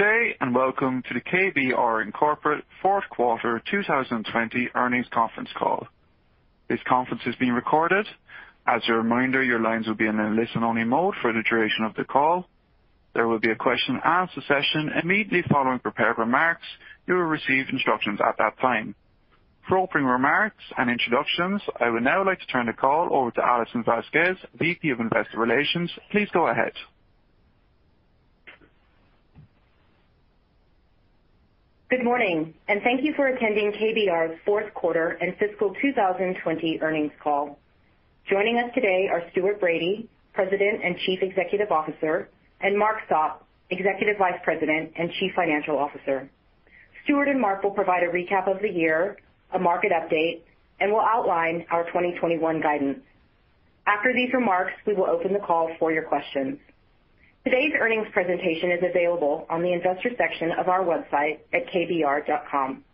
Today, and welcome to the KBR, Inc. fourth quarter 2020 earnings conference call. This conference is being recorded. As a reminder, your lines will be in a listen-only mode for the duration of the call. There will be a question and answer session immediately following prepared remarks. You will receive instructions at that time. For opening remarks and introductions, I would now like to turn the call over to Alison Vasquez, VP of Investor Relations. Please go ahead. Good morning, and thank you for attending KBR's fourth quarter and fiscal 2020 earnings call. Joining us today are Stuart Bradie, President and Chief Executive Officer, and Mark Sopp, Executive Vice President and Chief Financial Officer. Stuart and Mark will provide a recap of the year, a market update, and will outline our 2021 guidance. After these remarks, we will open the call for your questions. Today's earnings presentation is available on the investor section of our website at kbr.com.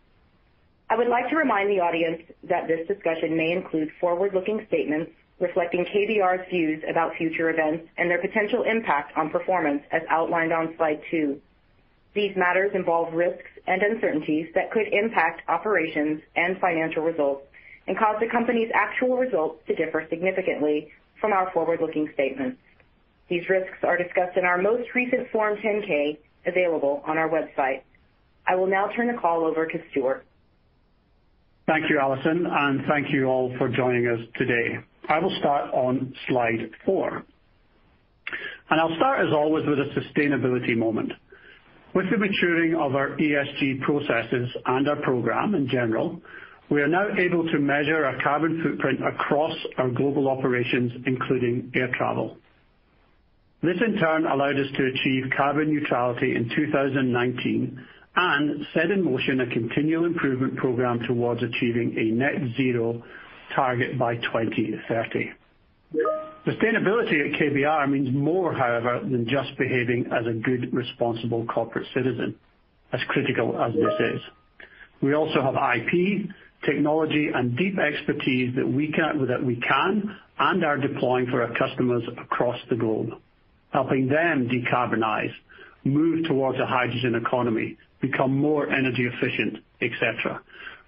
I would like to remind the audience that this discussion may include forward-looking statements reflecting KBR's views about future events and their potential impact on performance, as outlined on slide two. These matters involve risks and uncertainties that could impact operations and financial results and cause the company's actual results to differ significantly from our forward-looking statements. These risks are discussed in our most recent Form 10-K, available on our website. I will now turn the call over to Stuart. Thank you, Alison, and thank you all for joining us today. I will start on slide four, and I'll start, as always, with a sustainability moment. With the maturing of our ESG processes and our program in general, we are now able to measure our carbon footprint across our global operations, including air travel. This, in turn, allowed us to achieve carbon neutrality in 2019 and set in motion a continual improvement program towards achieving a net zero target by 2030. Sustainability at KBR means more, however, than just behaving as a good, responsible corporate citizen, as critical as this is. We also have IP, technology, and deep expertise that we can and are deploying for our customers across the globe, helping them decarbonize, move towards a hydrogen economy, become more energy efficient, et cetera,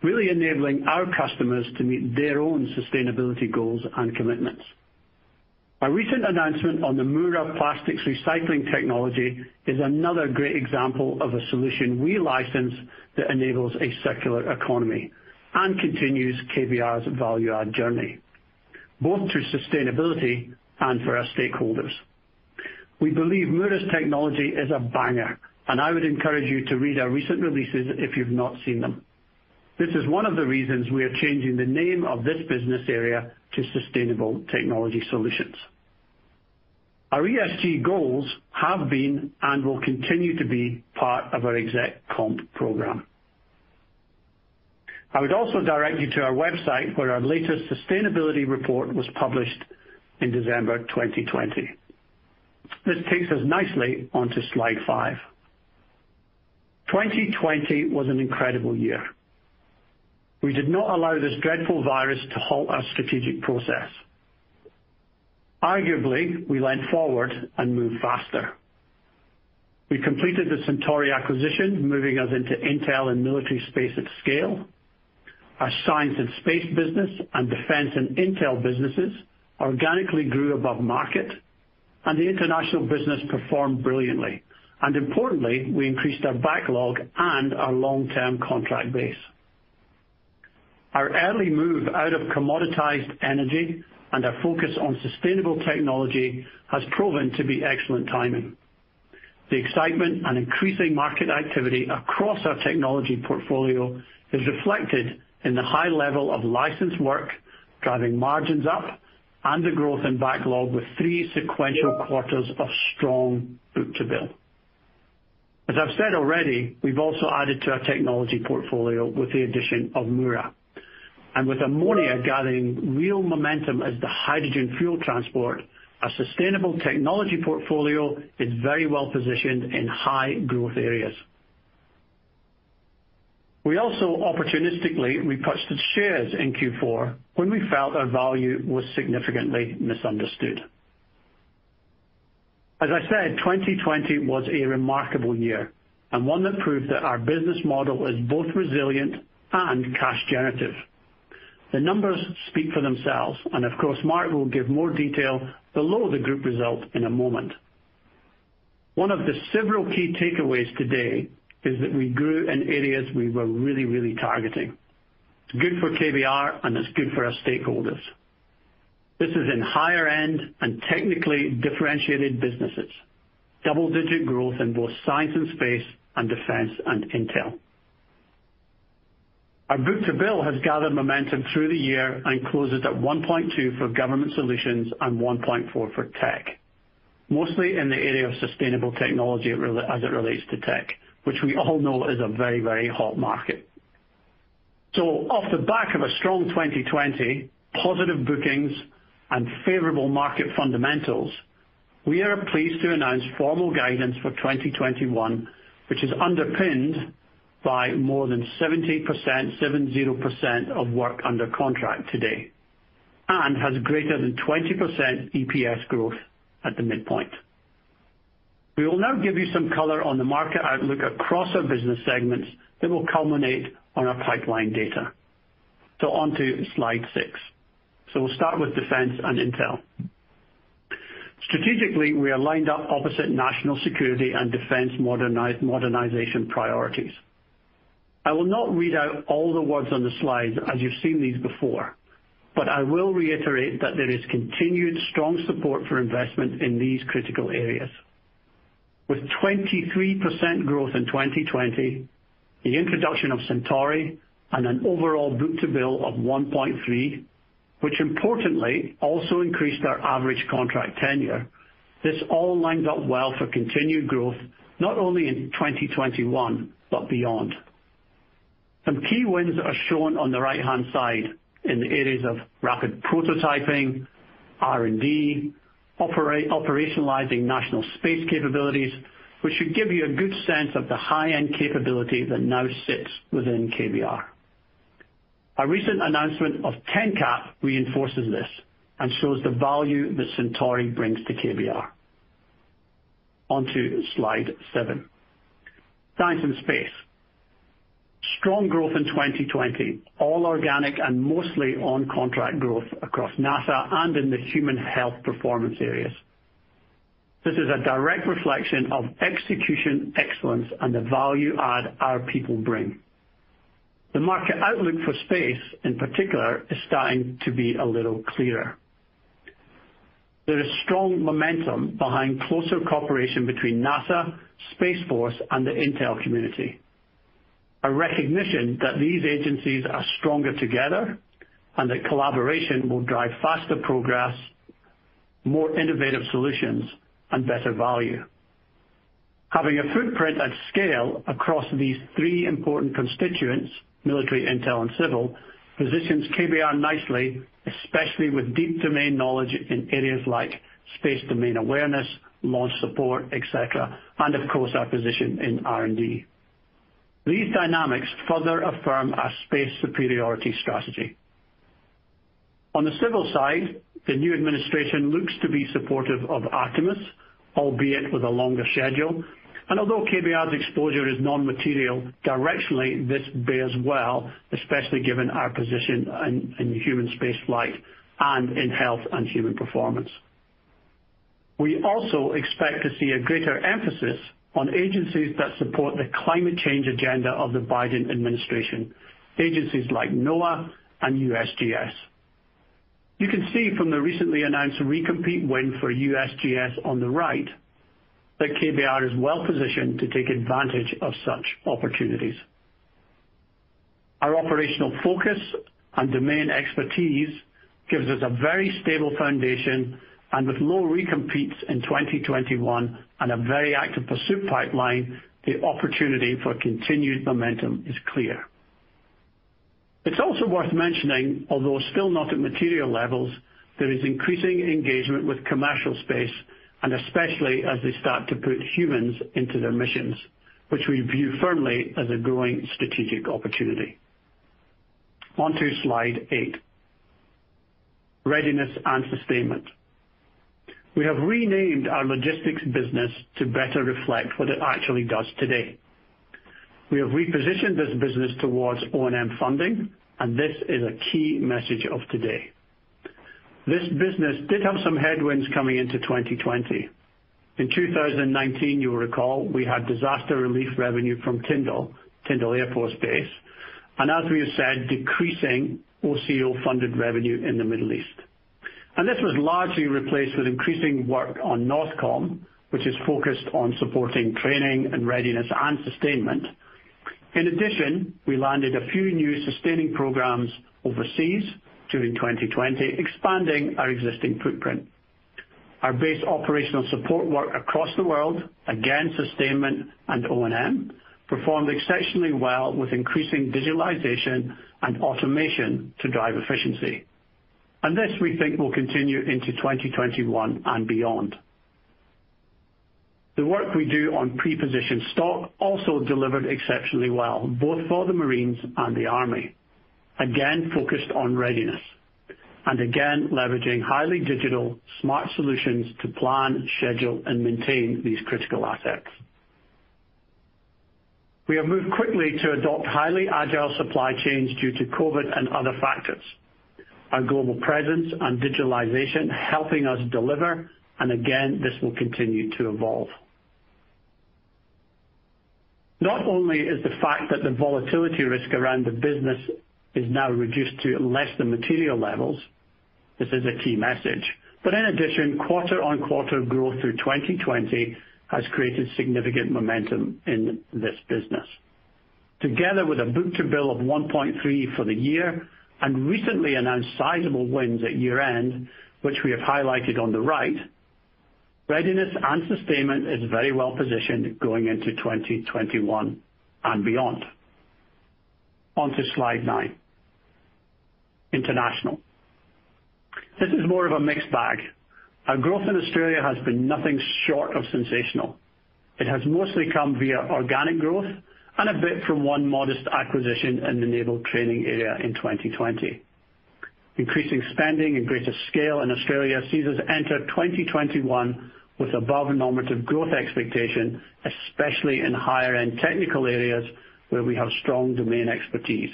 really enabling our customers to meet their own sustainability goals and commitments. Our recent announcement on the Mura's plastics recycling technology is another great example of a solution we license that enables a circular economy and continues KBR's value-add journey, both through sustainability and for our stakeholders. We believe Mura's technology is a banger, and I would encourage you to read our recent releases if you've not seen them. This is one of the reasons we are changing the name of this business area to Sustainable Technology Solutions. Our ESG goals have been and will continue to be part of our exec comp program. I would also direct you to our website, where our latest sustainability report was published in December 2020. This takes us nicely onto slide five. 2020 was an incredible year. We did not allow this dreadful virus to halt our strategic process. Arguably, we leaned forward and moved faster. We completed the Centauri acquisition, moving us into intel and military space at scale. Our science and space business and defense and intel businesses organically grew above market, and the international business performed brilliantly. Importantly, we increased our backlog and our long-term contract base. Our early move out of commoditized energy and our focus on sustainable technology has proven to be excellent timing. The excitement and increasing market activity across our technology portfolio is reflected in the high level of licensed work, driving margins up and the growth in backlog, with three sequential quarters of strong book-to-bill. As I've said already, we've also added to our technology portfolio with the addition of Mura. With ammonia gathering real momentum as the hydrogen fuel transport, our sustainable technology portfolio is very well-positioned in high-growth areas. We also opportunistically repurchased shares in Q4 when we felt our value was significantly misunderstood. As I said, 2020 was a remarkable year and one that proved that our business model is both resilient and cash generative. The numbers speak for themselves, and of course, Mark will give more detail below the group result in a moment. One of the several key takeaways today is that we grew in areas we were really, really targeting. It's good for KBR, and it's good for our stakeholders. This is in higher-end and technically differentiated businesses. Double-digit growth in both science and space and defense and intel. Our book-to-bill has gathered momentum through the year and closes at 1.2 for Government Solutions and 1.4 for tech, mostly in the area of sustainable technology as it relates to tech, which we all know is a very, very hot market. Off the back of a strong 2020, positive bookings, and favorable market fundamentals, we are pleased to announce formal guidance for 2021, which is underpinned by more than 70% of work under contract today. And has greater than 20% EPS growth at the midpoint. We will now give you some color on the market outlook across our business segments that will culminate on our pipeline data. So onto slide six. We'll start with defense and intel. Strategically, we are lined up opposite national security and defense modernization priorities. I will not read out all the words on the slide, as you've seen these before, but I will reiterate that there is continued strong support for investment in these critical areas. With 23% growth in 2020, the introduction of Centauri, and an overall book-to-bill of 1.3, which importantly also increased our average contract tenure, this all lines up well for continued growth, not only in 2021, but beyond. Some key wins are shown on the right-hand side in the areas of rapid prototyping, R&D, operationalizing national space capabilities, which should give you a good sense of the high-end capability that now sits within KBR. Our recent announcement of TENCAP reinforces this and shows the value that Centauri brings to KBR. Onto slide seven. Science and space. Strong growth in 2020, all organic and mostly on contract growth across NASA and in the human health performance areas. This is a direct reflection of execution excellence and the value add our people bring. The market outlook for space, in particular, is starting to be a little clearer. There is strong momentum behind closer cooperation between NASA, Space Force, and the intel community. A recognition that these agencies are stronger together and that collaboration will drive faster progress, more innovative solutions, and better value. Having a footprint at scale across these three important constituents, military, intel, and civil, positions KBR nicely, especially with deep domain knowledge in areas like space domain awareness, launch support, et cetera, and of course, our position in R&D. These dynamics further affirm our space superiority strategy. On the civil side, the new administration looks to be supportive of Artemis, albeit with a longer schedule. Although KBR's exposure is non-material, directionally, this bears well, especially given our position in human spaceflight and in health and human performance. We also expect to see a greater emphasis on agencies that support the climate change agenda of the Biden administration, agencies like NOAA and USGS. You can see from the recently announced recompete win for USGS on the right that KBR is well-positioned to take advantage of such opportunities. Our operational focus and domain expertise gives us a very stable foundation, with low recompetes in 2021 and a very active pursuit pipeline, the opportunity for continued momentum is clear. It's also worth mentioning, although still not at material levels, there is increasing engagement with commercial space, especially as they start to put humans into their missions, which we view firmly as a growing strategic opportunity. Onto slide eight, readiness and sustainment. We have renamed our logistics business to better reflect what it actually does today. We have repositioned this business towards O&M funding, and this is a key message of today. This business did have some headwinds coming into 2020. In 2019, you'll recall, we had disaster relief revenue from Tyndall Air Force Base. As we have said, decreasing OCO-funded revenue in the Middle East. This was largely replaced with increasing work on NORTHCOM, which is focused on supporting training and readiness and sustainment. In addition, we landed a few new sustaining programs overseas during 2020, expanding our existing footprint. Our base operational support work across the world, again, sustainment and O&M, performed exceptionally well with increasing digitalization and automation to drive efficiency. This, we think, will continue into 2021 and beyond. The work we do on pre-positioned stock also delivered exceptionally well, both for the Marines and the Army, again, focused on readiness, and again, leveraging highly digital smart solutions to plan, schedule, and maintain these critical assets. We have moved quickly to adopt highly agile supply chains due to COVID and other factors. Our global presence and digitalization helping us deliver. Again, this will continue to evolve. Not only is the fact that the volatility risk around the business is now reduced to less than material levels, this is a key message. In addition, quarter-over-quarter growth through 2020 has created significant momentum in this business. Together with a book-to-bill of 1.3 for the year and recently announced sizable wins at year-end, which we have highlighted on the right, readiness and sustainment is very well-positioned going into 2021 and beyond. Onto slide nine, international. This is more of a mixed bag. Our growth in Australia has been nothing short of sensational. It has mostly come via organic growth and a bit from one modest acquisition in the naval training area in 2020. Increasing spending and greater scale in Australia sees us enter 2021 with above-normative growth expectation, especially in higher-end technical areas where we have strong domain expertise.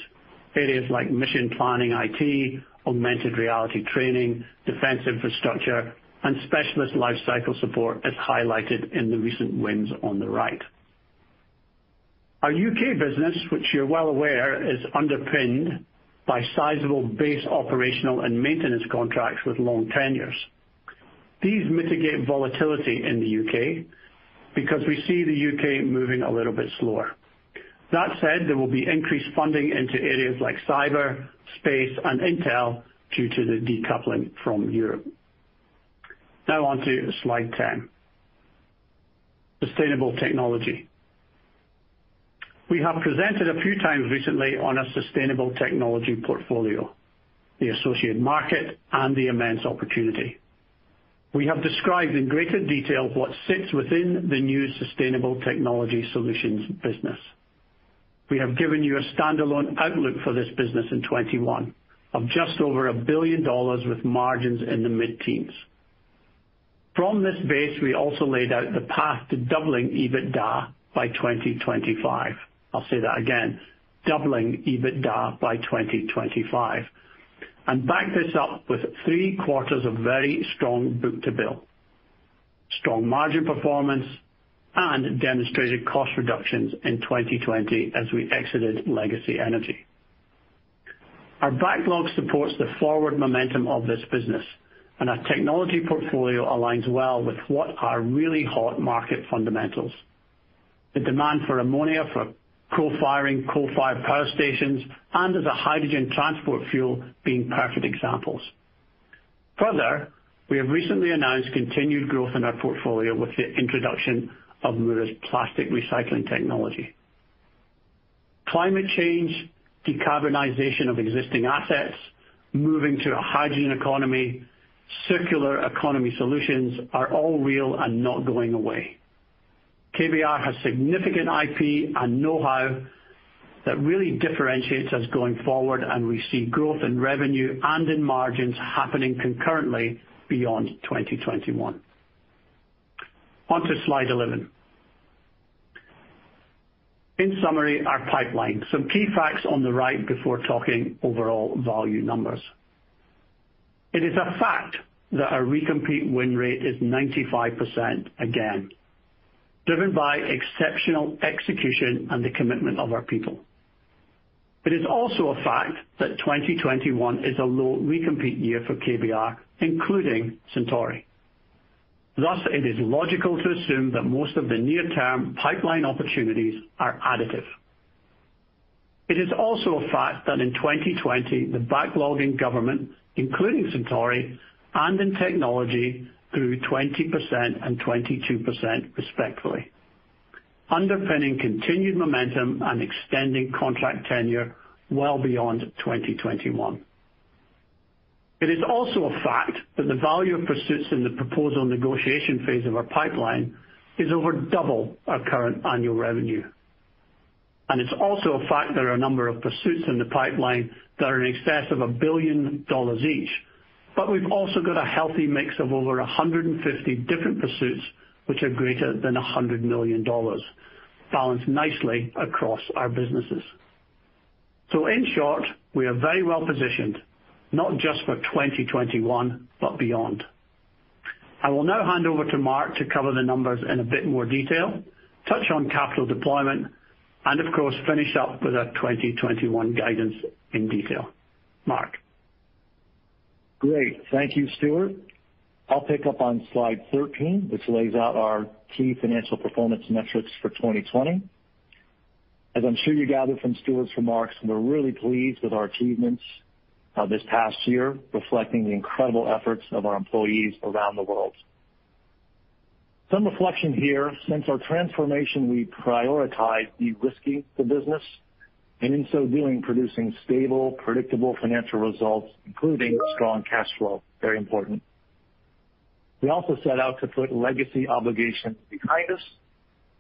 Areas like mission planning IT, augmented reality training, defense infrastructure, and specialist lifecycle support, as highlighted in the recent wins on the right. Our U.K. business, which you're well aware, is underpinned by sizable base operational and maintenance contracts with long tenures. These mitigate volatility in the U.K. because we see the U.K. moving a little bit slower. That said, there will be increased funding into areas like cyber, space, and intel due to the decoupling from Europe. Now on to Slide 10. Sustainable Technology. We have presented a few times recently on our Sustainable Technology portfolio, the associated market, and the immense opportunity. We have described in greater detail what sits within the new Sustainable Technology Solutions business. We have given you a standalone outlook for this business in 2021 of just over $1 billion with margins in the mid-teens. From this base, we also laid out the path to doubling EBITDA by 2025. I'll say that again. Doubling EBITDA by 2025, and back this up with three quarters of very strong book-to-bill, strong margin performance, and demonstrated cost reductions in 2020 as we exited legacy energy. Our backlog supports the forward momentum of this business, and our technology portfolio aligns well with what are really hot market fundamentals. The demand for ammonia for coal firing, coal-fired power stations, and as a hydrogen transport fuel being perfect examples. Further, we have recently announced continued growth in our portfolio with the introduction of Mura's plastic recycling technology. Climate change, decarbonization of existing assets, moving to a hydrogen economy, circular economy solutions are all real and not going away. KBR has significant IP and know-how that really differentiates us going forward. We see growth in revenue and in margins happening concurrently beyond 2021. On to Slide 11. In summary, our pipeline. Some key facts on the right before talking overall value numbers. It is a fact that our recompete win rate is 95% again, driven by exceptional execution and the commitment of our people. It is also a fact that 2021 is a low recompete year for KBR, including Centauri. It is logical to assume that most of the near-term pipeline opportunities are additive. It is also a fact that in 2020, the backlog in Government, including Centauri and in technology, grew 20% and 22% respectively, underpinning continued momentum and extending contract tenure well beyond 2021. It is also a fact that the value of pursuits in the proposal negotiation phase of our pipeline is over double our current annual revenue. It's also a fact there are a number of pursuits in the pipeline that are in excess of $1 billion each. We've also got a healthy mix of over 150 different pursuits, which are greater than $100 million, balanced nicely across our businesses. In short, we are very well-positioned, not just for 2021, but beyond. I will now hand over to Mark to cover the numbers in a bit more detail, touch on capital deployment, and of course, finish up with our 2021 guidance in detail. Mark? Great. Thank you, Stuart. I'll pick up on Slide 13, which lays out our key financial performance metrics for 2020. As I'm sure you gathered from Stuart's remarks, we're really pleased with our achievements, this past year, reflecting the incredible efforts of our employees around the world. Some reflection here. Since our transformation, we prioritized de-risking the business, and in so doing, producing stable, predictable financial results, including strong cash flow, very important. We also set out to put legacy obligations behind us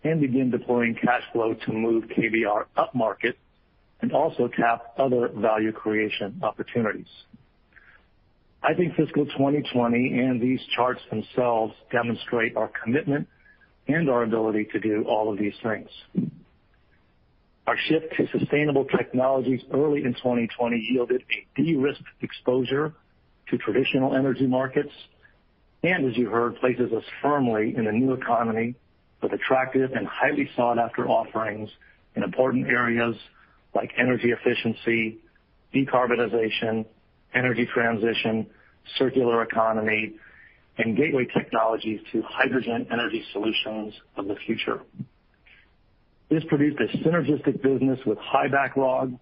and begin deploying cash flow to move KBR upmarket and also tap other value creation opportunities. I think fiscal 2020 and these charts themselves demonstrate our commitment and our ability to do all of these things. Our shift to sustainable technologies early in 2020 yielded a de-risked exposure to traditional energy markets, as you heard, places us firmly in a new economy with attractive and highly sought-after offerings in important areas like energy efficiency, decarbonization, energy transition, circular economy, and gateway technologies to hydrogen energy solutions of the future. This produced a synergistic business with high backlog,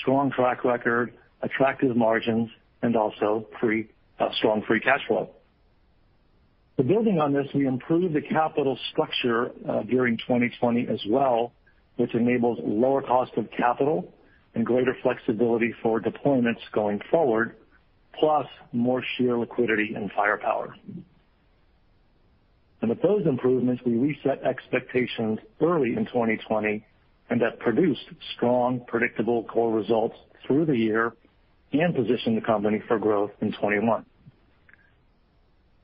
strong track record, attractive margins, and also strong free cash flow. Building on this, we improved the capital structure during 2020 as well, which enables lower cost of capital and greater flexibility for deployments going forward. Plus more sheer liquidity and firepower. With those improvements, we reset expectations early in 2020, and that produced strong, predictable core results through the year and positioned the company for growth in 2021.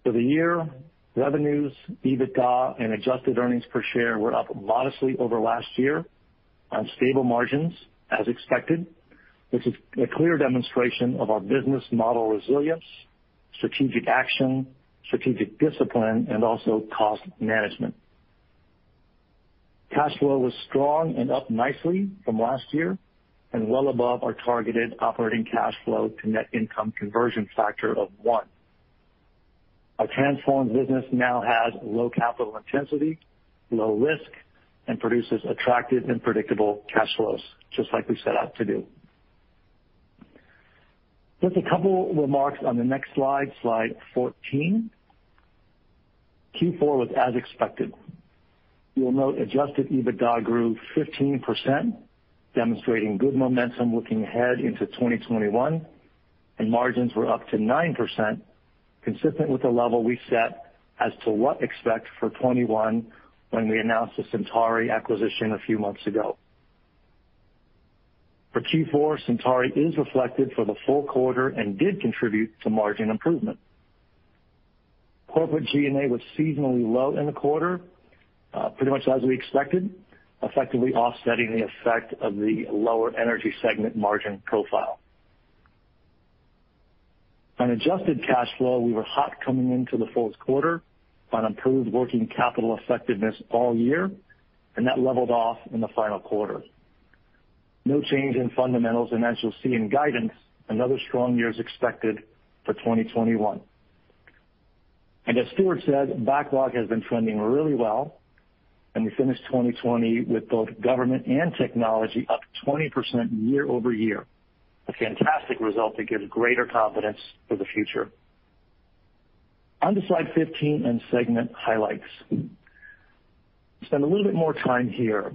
For the year, revenues, EBITDA, and adjusted earnings per share were up modestly over last year on stable margins as expected, which is a clear demonstration of our business model resilience, strategic action, strategic discipline, and also cost management. Cash flow was strong and up nicely from last year and well above our targeted operating cash flow to net income conversion factor of one. Our transformed business now has low capital intensity, low risk, and produces attractive and predictable cash flows, just like we set out to do. Just a couple remarks on the next Slide 14. Q4 was as expected. You will note adjusted EBITDA grew 15%, demonstrating good momentum looking ahead into 2021, and margins were up to 9%, consistent with the level we set as to what expect for 2021 when we announced the Centauri acquisition a few months ago. For Q4, Centauri is reflected for the full quarter and did contribute to margin improvement. Corporate G&A was seasonally low in the quarter, pretty much as we expected, effectively offsetting the effect of the lower Energy segment margin profile. On adjusted cash flow, we were hot coming into the fourth quarter on improved working capital effectiveness all year, and that leveled off in the final quarter. No change in fundamentals, as you'll see in guidance, another strong year is expected for 2021. As Stuart said, backlog has been trending really well, and we finished 2020 with both Government and Technology up 20% year-over-year, a fantastic result that gives greater confidence for the future. To slide 15 and segment highlights. Spend a little bit more time here.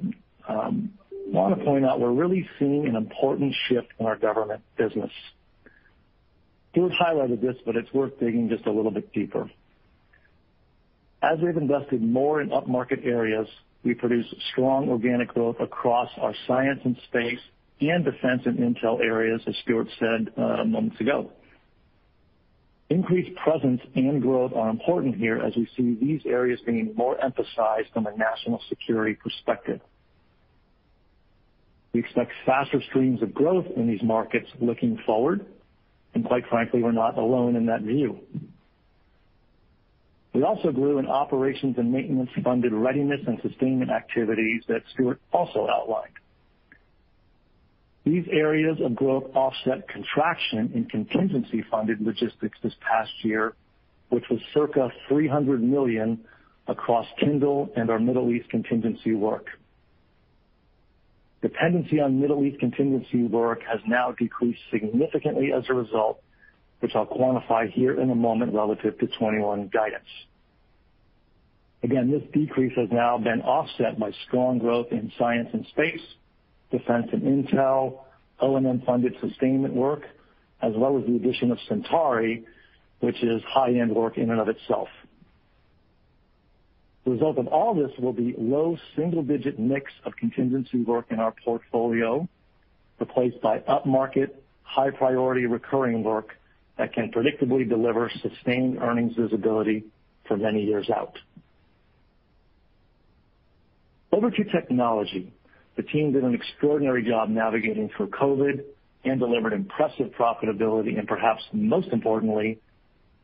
I want to point out we're really seeing an important shift in our Government business. Stuart highlighted this, it's worth digging just a little bit deeper. As we've invested more in upmarket areas, we produce strong organic growth across our Science and Space and Defense and Intel areas, as Stuart said, moments ago. Increased presence and growth are important here as we see these areas being more emphasized from a national security perspective. We expect faster streams of growth in these markets looking forward, quite frankly, we're not alone in that view. We also grew in operations and maintenance-funded readiness and sustainment activities that Stuart also outlined. These areas of growth offset contraction in contingency-funded logistics this past year, which was circa $300 million across LOGCAP and our Middle East contingency work. Dependency on Middle East contingency work has now decreased significantly as a result, which I'll quantify here in a moment relative to 2021 guidance. This decrease has now been offset by strong growth in Science and Space, Defense and Intel, O&M-funded sustainment work, as well as the addition of Centauri, which is high-end work in and of itself. The result of all this will be low single-digit mix of contingency work in our portfolio, replaced by upmarket, high-priority recurring work that can predictably deliver sustained earnings visibility for many years out. To Technology. The team did an extraordinary job navigating through COVID and delivered impressive profitability and perhaps most importantly,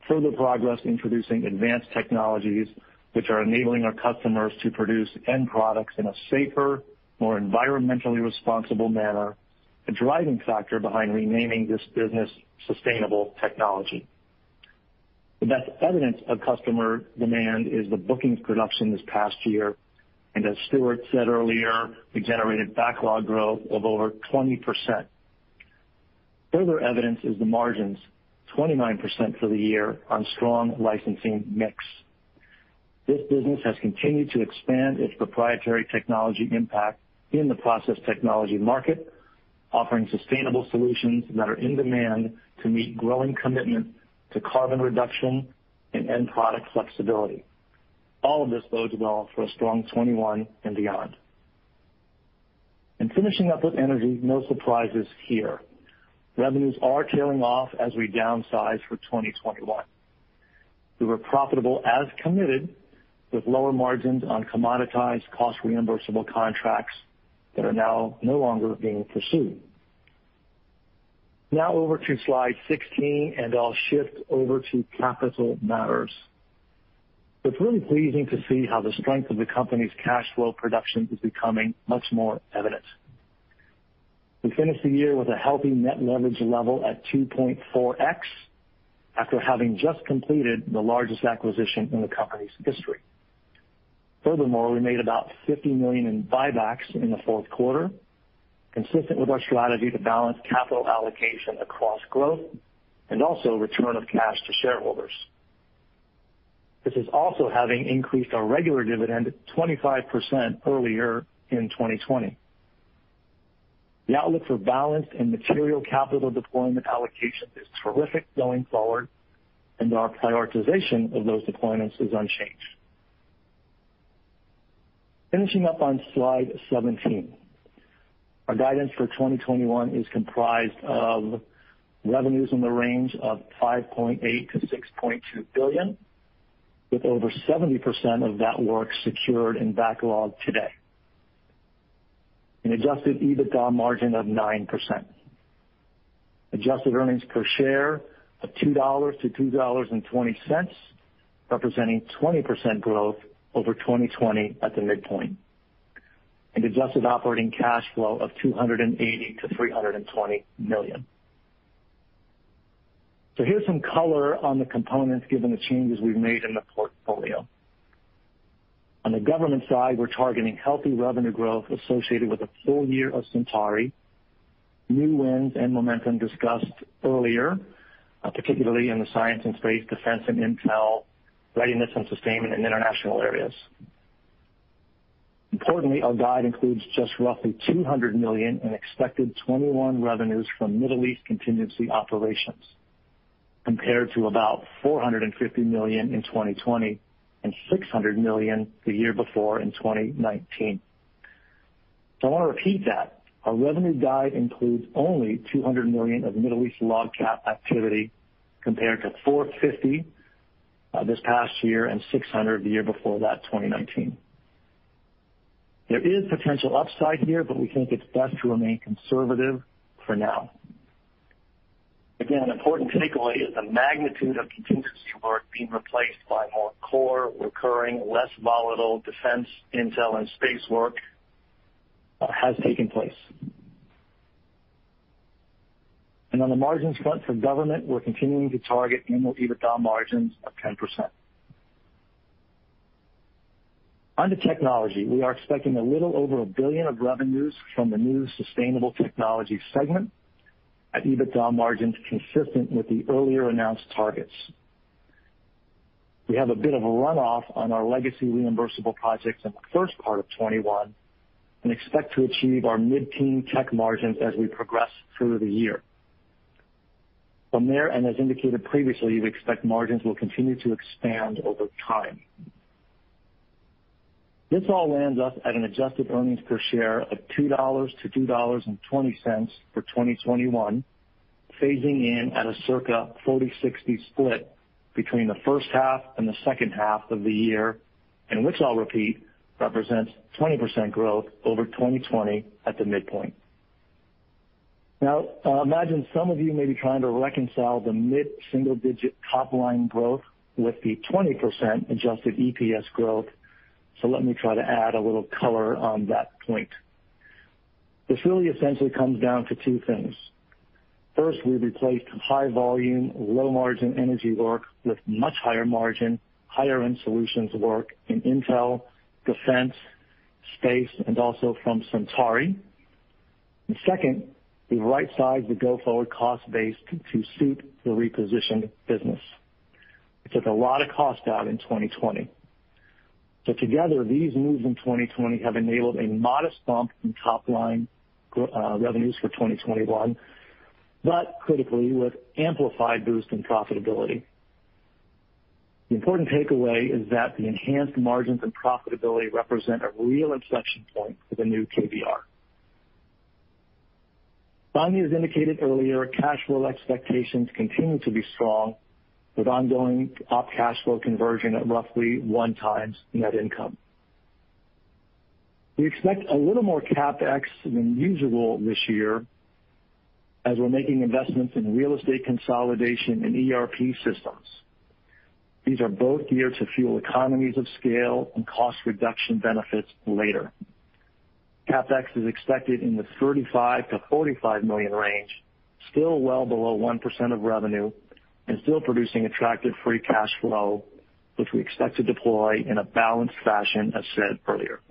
further progress introducing advanced technologies which are enabling our customers to produce end products in a safer, more environmentally responsible manner, a driving factor behind renaming this business Sustainable Technology. The best evidence of customer demand is the bookings production this past year, as Stuart said earlier, we generated backlog growth of over 20%. Further evidence is the margins, 29% for the year on strong licensing mix. This business has continued to expand its proprietary technology impact in the process technology market, offering sustainable solutions that are in demand to meet growing commitment to carbon reduction and end product flexibility. All of this bodes well for a strong 2021 and beyond. Finishing up with Energy, no surprises here. Revenues are tailing off as we downsize for 2021. We were profitable as committed, with lower margins on commoditized cost reimbursable contracts that are now no longer being pursued. Over to slide 16, I'll shift over to capital matters. It's really pleasing to see how the strength of the company's cash flow production is becoming much more evident. We finished the year with a healthy net leverage level at 2.4x after having just completed the largest acquisition in the company's history. Furthermore, we made about $50 million in buybacks in the fourth quarter, consistent with our strategy to balance capital allocation across growth and also return of cash to shareholders. This is also having increased our regular dividend 25% earlier in 2020. The outlook for balanced and material capital deployment allocation is terrific going forward, and our prioritization of those deployments is unchanged. Finishing up on slide 17. Our guidance for 2021 is comprised of revenues in the range of $5.8 billion-$6.2 billion, with over 70% of that work secured in backlog today. An adjusted EBITDA margin of 9%. Adjusted earnings per share of $2-$2.20, representing 20% growth over 2020 at the midpoint. Adjusted operating cash flow of $280 million-$320 million. Here's some color on the components given the changes we've made in the portfolio. On the Government side, we're targeting healthy revenue growth associated with a full year of Centauri, new wins and momentum discussed earlier, particularly in the science and space, defense and intel, readiness and sustainment in international areas. Importantly, our guide includes just roughly $200 million in expected 2021 revenues from Middle East contingency operations, compared to about $450 million in 2020 and $600 million the year before in 2019. I want to repeat that. Our revenue guide includes only $200 million of Middle East LOGCAP activity, compared to $450 this past year and $600 the year before that, 2019. There is potential upside here, but we think it's best to remain conservative for now. Important takeaway is the magnitude of contingency work being replaced by more core recurring, less volatile defense intel and space work has taken place. On the margins front for Government, we're continuing to target annual EBITDA margins of 10%. On to Technology. We are expecting a little over $1 billion of revenues from the new Sustainable Technology segment at EBITDA margins consistent with the earlier announced targets. We have a bit of a runoff on our legacy reimbursable projects in the first part of 2021, and expect to achieve our mid-teen tech margins as we progress through the year. From there, and as indicated previously, we expect margins will continue to expand over time. This all lands us at an adjusted earnings per share of $2-$2.20 for 2021, phasing in at a circa 40/60 split between the first half and the second half of the year, and which I'll repeat, represents 20% growth over 2020 at the midpoint. I imagine some of you may be trying to reconcile the mid-single-digit top-line growth with the 20% adjusted EPS growth. Let me try to add a little color on that point. This really essentially comes down to two things. First, we replaced high volume, low margin energy work with much higher margin, higher-end solutions work in intel, defense, space, and also from Centauri. Second, we right-sized the go-forward cost base to suit the repositioned business. We took a lot of cost out in 2020. Together, these moves in 2020 have enabled a modest bump in top-line revenues for 2021, but critically with amplified boost in profitability. The important takeaway is that the enhanced margins and profitability represent a real inflection point for the new KBR. Finally, as indicated earlier, cash flow expectations continue to be strong with ongoing op cash flow conversion at roughly one times net income. We expect a little more CapEx than usual this year, as we're making investments in real estate consolidation and ERP systems. These are both geared to fuel economies of scale and cost reduction benefits later. CapEx is expected in the $35 million-$45 million range, still well below 1% of revenue and still producing attractive free cash flow, which we expect to deploy in a balanced fashion, as said earlier.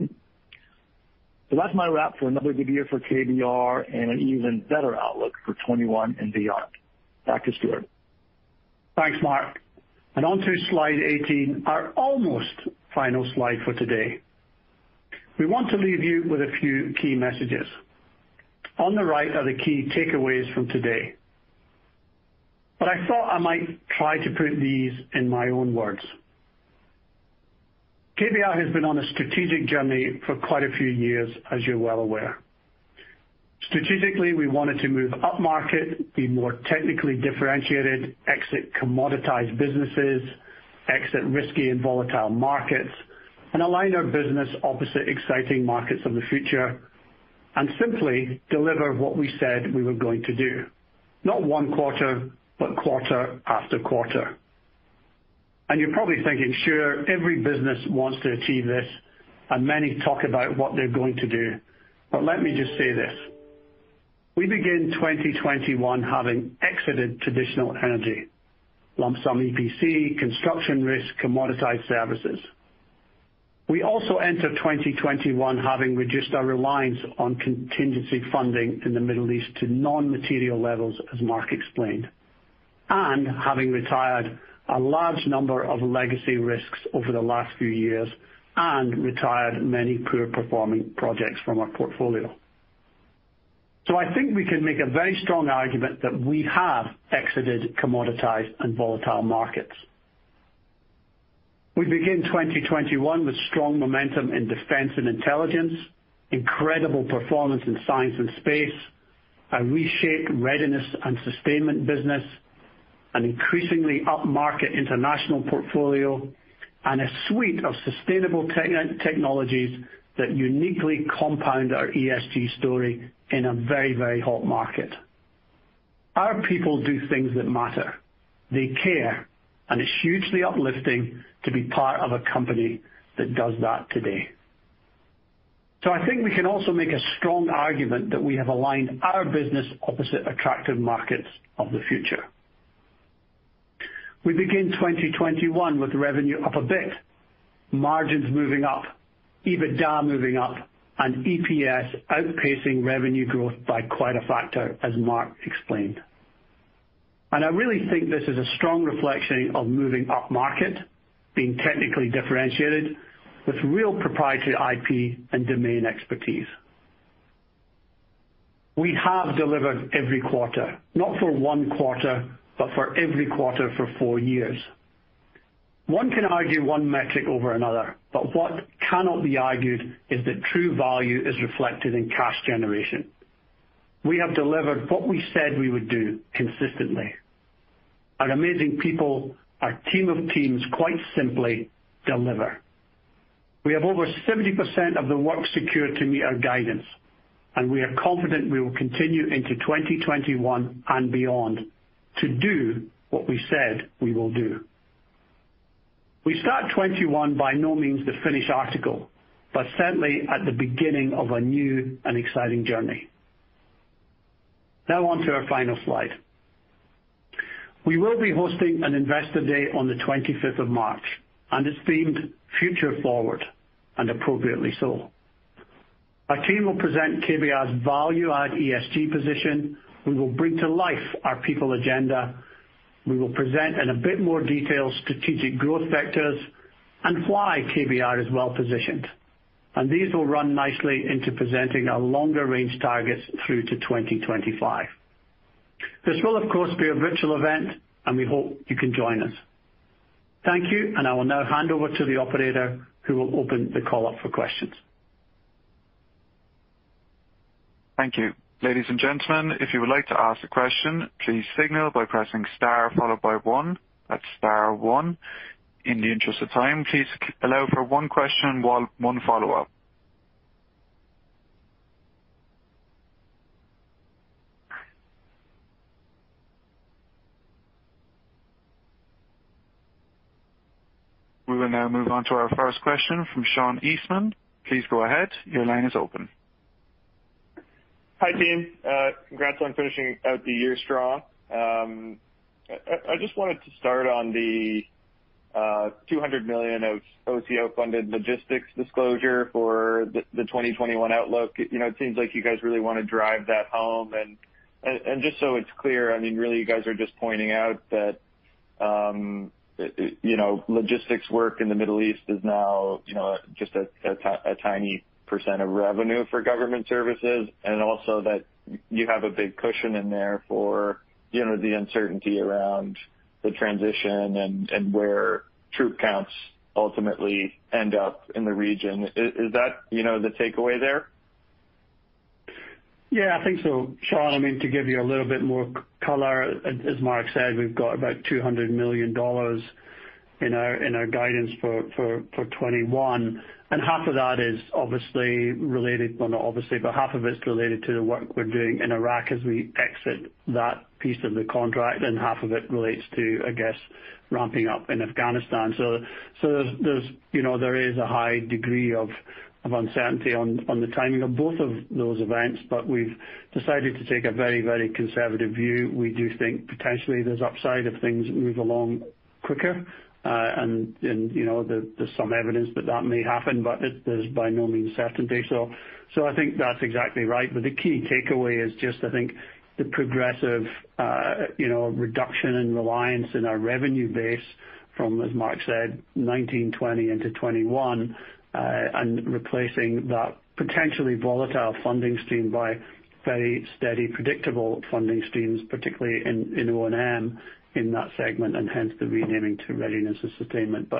That's my wrap for another good year for KBR and an even better outlook for 2021 and beyond. Back to Stuart. Thanks, Mark. On to slide 18, our almost final slide for today. We want to leave you with a few key messages. On the right are the key takeaways from today. I thought I might try to put these in my own words. KBR has been on a strategic journey for quite a few years, as you're well aware. Strategically, we wanted to move upmarket, be more technically differentiated, exit commoditized businesses, exit risky and volatile markets, and align our business opposite exciting markets of the future, and simply deliver what we said we were going to do. Not one quarter, but quarter after quarter. You're probably thinking, sure, every business wants to achieve this, and many talk about what they're going to do. Let me just say this. We begin 2021 having exited traditional energy, lump-sum EPC, construction risk, commoditized services. We also enter 2021 having reduced our reliance on contingency funding in the Middle East to non-material levels, as Mark explained, and having retired a large number of legacy risks over the last few years and retired many poor-performing projects from our portfolio. I think we can make a very strong argument that we have exited commoditized and volatile markets. We begin 2021 with strong momentum in defense and intelligence, incredible performance in science and space, a reshaped readiness and sustainment business, an increasingly upmarket international portfolio, and a suite of sustainable technologies that uniquely compound our ESG story in a very, very hot market. Our people do things that matter. They care, and it's hugely uplifting to be part of a company that does that today. I think we can also make a strong argument that we have aligned our business opposite attractive markets of the future. We begin 2021 with revenue up a bit, margins moving up, EBITDA moving up, and EPS outpacing revenue growth by quite a factor, as Mark explained. I really think this is a strong reflection of moving upmarket, being technically differentiated with real proprietary IP and domain expertise. We have delivered every quarter, not for one quarter, but for every quarter for four years. One can argue one metric over another, but what cannot be argued is that true value is reflected in cash generation. We have delivered what we said we would do consistently. Our amazing people, our team of teams, quite simply, deliver. We have over 70% of the work secure to meet our guidance. We are confident we will continue into 2021 and beyond to do what we said we will do. We start 2021 by no means the finished article, certainly at the beginning of a new and exciting journey. Now on to our final slide. We will be hosting an investor day on the 25th of March. It's themed Future Forward, appropriately so. Our team will present KBR's value-add ESG position. We will bring to life our people agenda. We will present in a bit more detail strategic growth vectors and why KBR is well-positioned. These will run nicely into presenting our longer-range targets through to 2025. This will, of course, be a virtual event. We hope you can join us. Thank you. I will now hand over to the operator, who will open the call up for questions. Thank you. Ladies and gentlemen, if you would like to ask a question, please signal by pressing star followed by one. That's star one. In the interest of time, please allow for one question, one follow-up. We will now move on to our first question from Sean Eastman. Please go ahead. Your line is open. Hi, team. Congrats on finishing out the year strong. I just wanted to start on the $200 million of OCO-funded logistics disclosure for the 2021 outlook. It seems like you guys really want to drive that home. Just so it's clear, really, you guys are just pointing out that logistics work in the Middle East is now just a tiny percent of revenue for government services. Also that you have a big cushion in there for the uncertainty around the transition and where troop counts ultimately end up in the region. Is that the takeaway there? I think so, Sean. To give you a little bit more color, as Mark said, we've got about $200 million in our guidance for 2021, and half of that is related to the work we're doing in Iraq as we exit that piece of the contract, and half of it relates to ramping up in Afghanistan. There is a high degree of uncertainty on the timing of both of those events, but we've decided to take a very conservative view. We do think potentially there's upside if things move along quicker, and there's some evidence that that may happen, but there's by no means certainty. I think that's exactly right. The key takeaway is just, I think the progressive reduction in reliance in our revenue base from, as Mark said, 2019, 2020 into 2021, and replacing that potentially volatile funding stream by very steady, predictable funding streams, particularly in O&M in that segment, and hence the renaming to readiness and sustainment.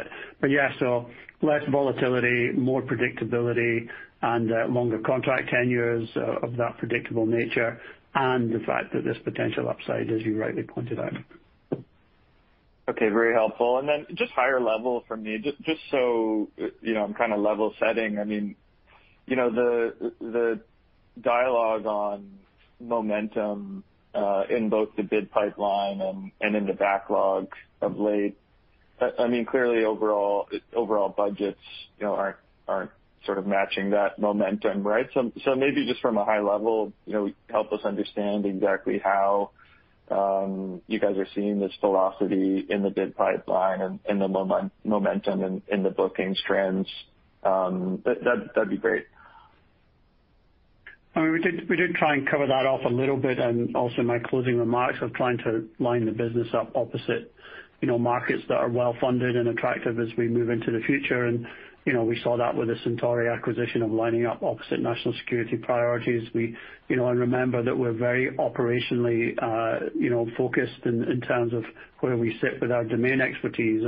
Less volatility, more predictability, and longer contract tenures of that predictable nature, and the fact that there's potential upside, as you rightly pointed out. Okay. Very helpful. Just higher level for me, just so I'm kind of level setting. The dialogue on momentum, in both the bid pipeline and in the backlog of late. Clearly, overall budgets aren't sort of matching that momentum, right? Maybe just from a high level, help us understand exactly how you guys are seeing this velocity in the bid pipeline and the momentum in the bookings trends. That'd be great. We did try and cover that off a little bit and also my closing remarks of trying to line the business up opposite markets that are well-funded and attractive as we move into the future. We saw that with the Centauri acquisition of lining up opposite national security priorities. Remember that we're very operationally focused in terms of where we sit with our domain expertise.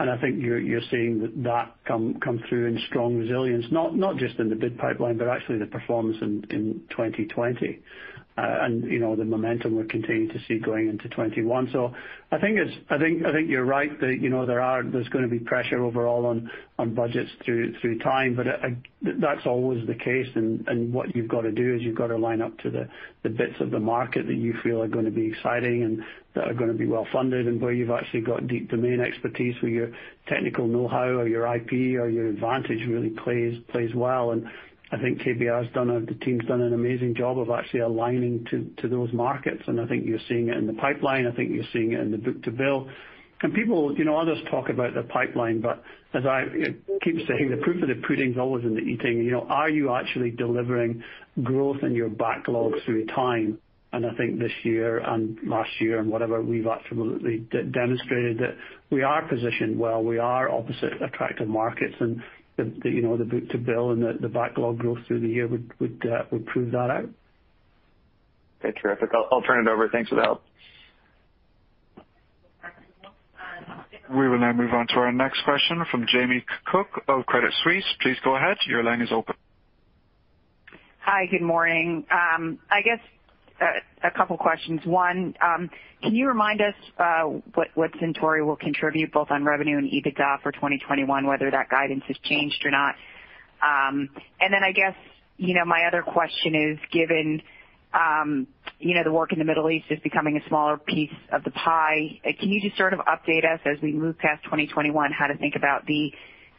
I think you're seeing that come through in strong resilience, not just in the bid pipeline, but actually the performance in 2020. The momentum we're continuing to see going into 2021. I think you're right that there's going to be pressure overall on budgets through time, but that's always the case. What you've got to do is you've got to line up to the bits of the market that you feel are going to be exciting and that are going to be well-funded, and where you've actually got deep domain expertise where your technical knowhow or your IP or your advantage really plays well. I think KBR's team's done an amazing job of actually aligning to those markets, and I think you're seeing it in the pipeline. I think you're seeing it in the book-to-bill. Others talk about the pipeline, as I keep saying, the proof of the pudding is always in the eating. Are you actually delivering growth in your backlog through time? I think this year and last year and whatever, we've absolutely demonstrated that we are positioned well. We are opposite attractive markets the book-to-bill and the backlog growth through the year would prove that out. Okay, terrific. I'll turn it over. Thanks for the help. We will now move on to our next question from Jamie Cook of Credit Suisse. Please go ahead. Your line is open. Hi. Good morning. I guess a couple of questions. One, can you remind us what Centauri will contribute both on revenue and EBITDA for 2021, whether that guidance has changed or not? I guess my other question is, given the work in the Middle East is becoming a smaller piece of the pie, can you just sort of update us as we move past 2021, how to think about the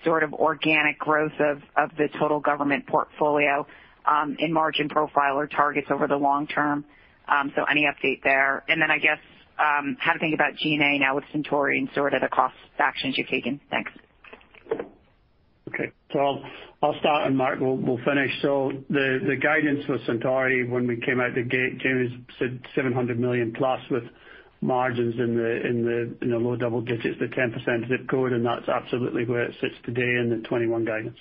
sort of organic growth of the total government portfolio in margin profile or targets over the long term? Any update there, I guess how to think about G&A now with Centauri and sort of the cost actions you've taken. Thanks. Okay. I'll start and Mark will finish. The guidance for Centauri when we came out the gate, Jamie, said $700 million plus with margins in the low double digits to 10% zip code, and that's absolutely where it sits today in the 2021 guidance.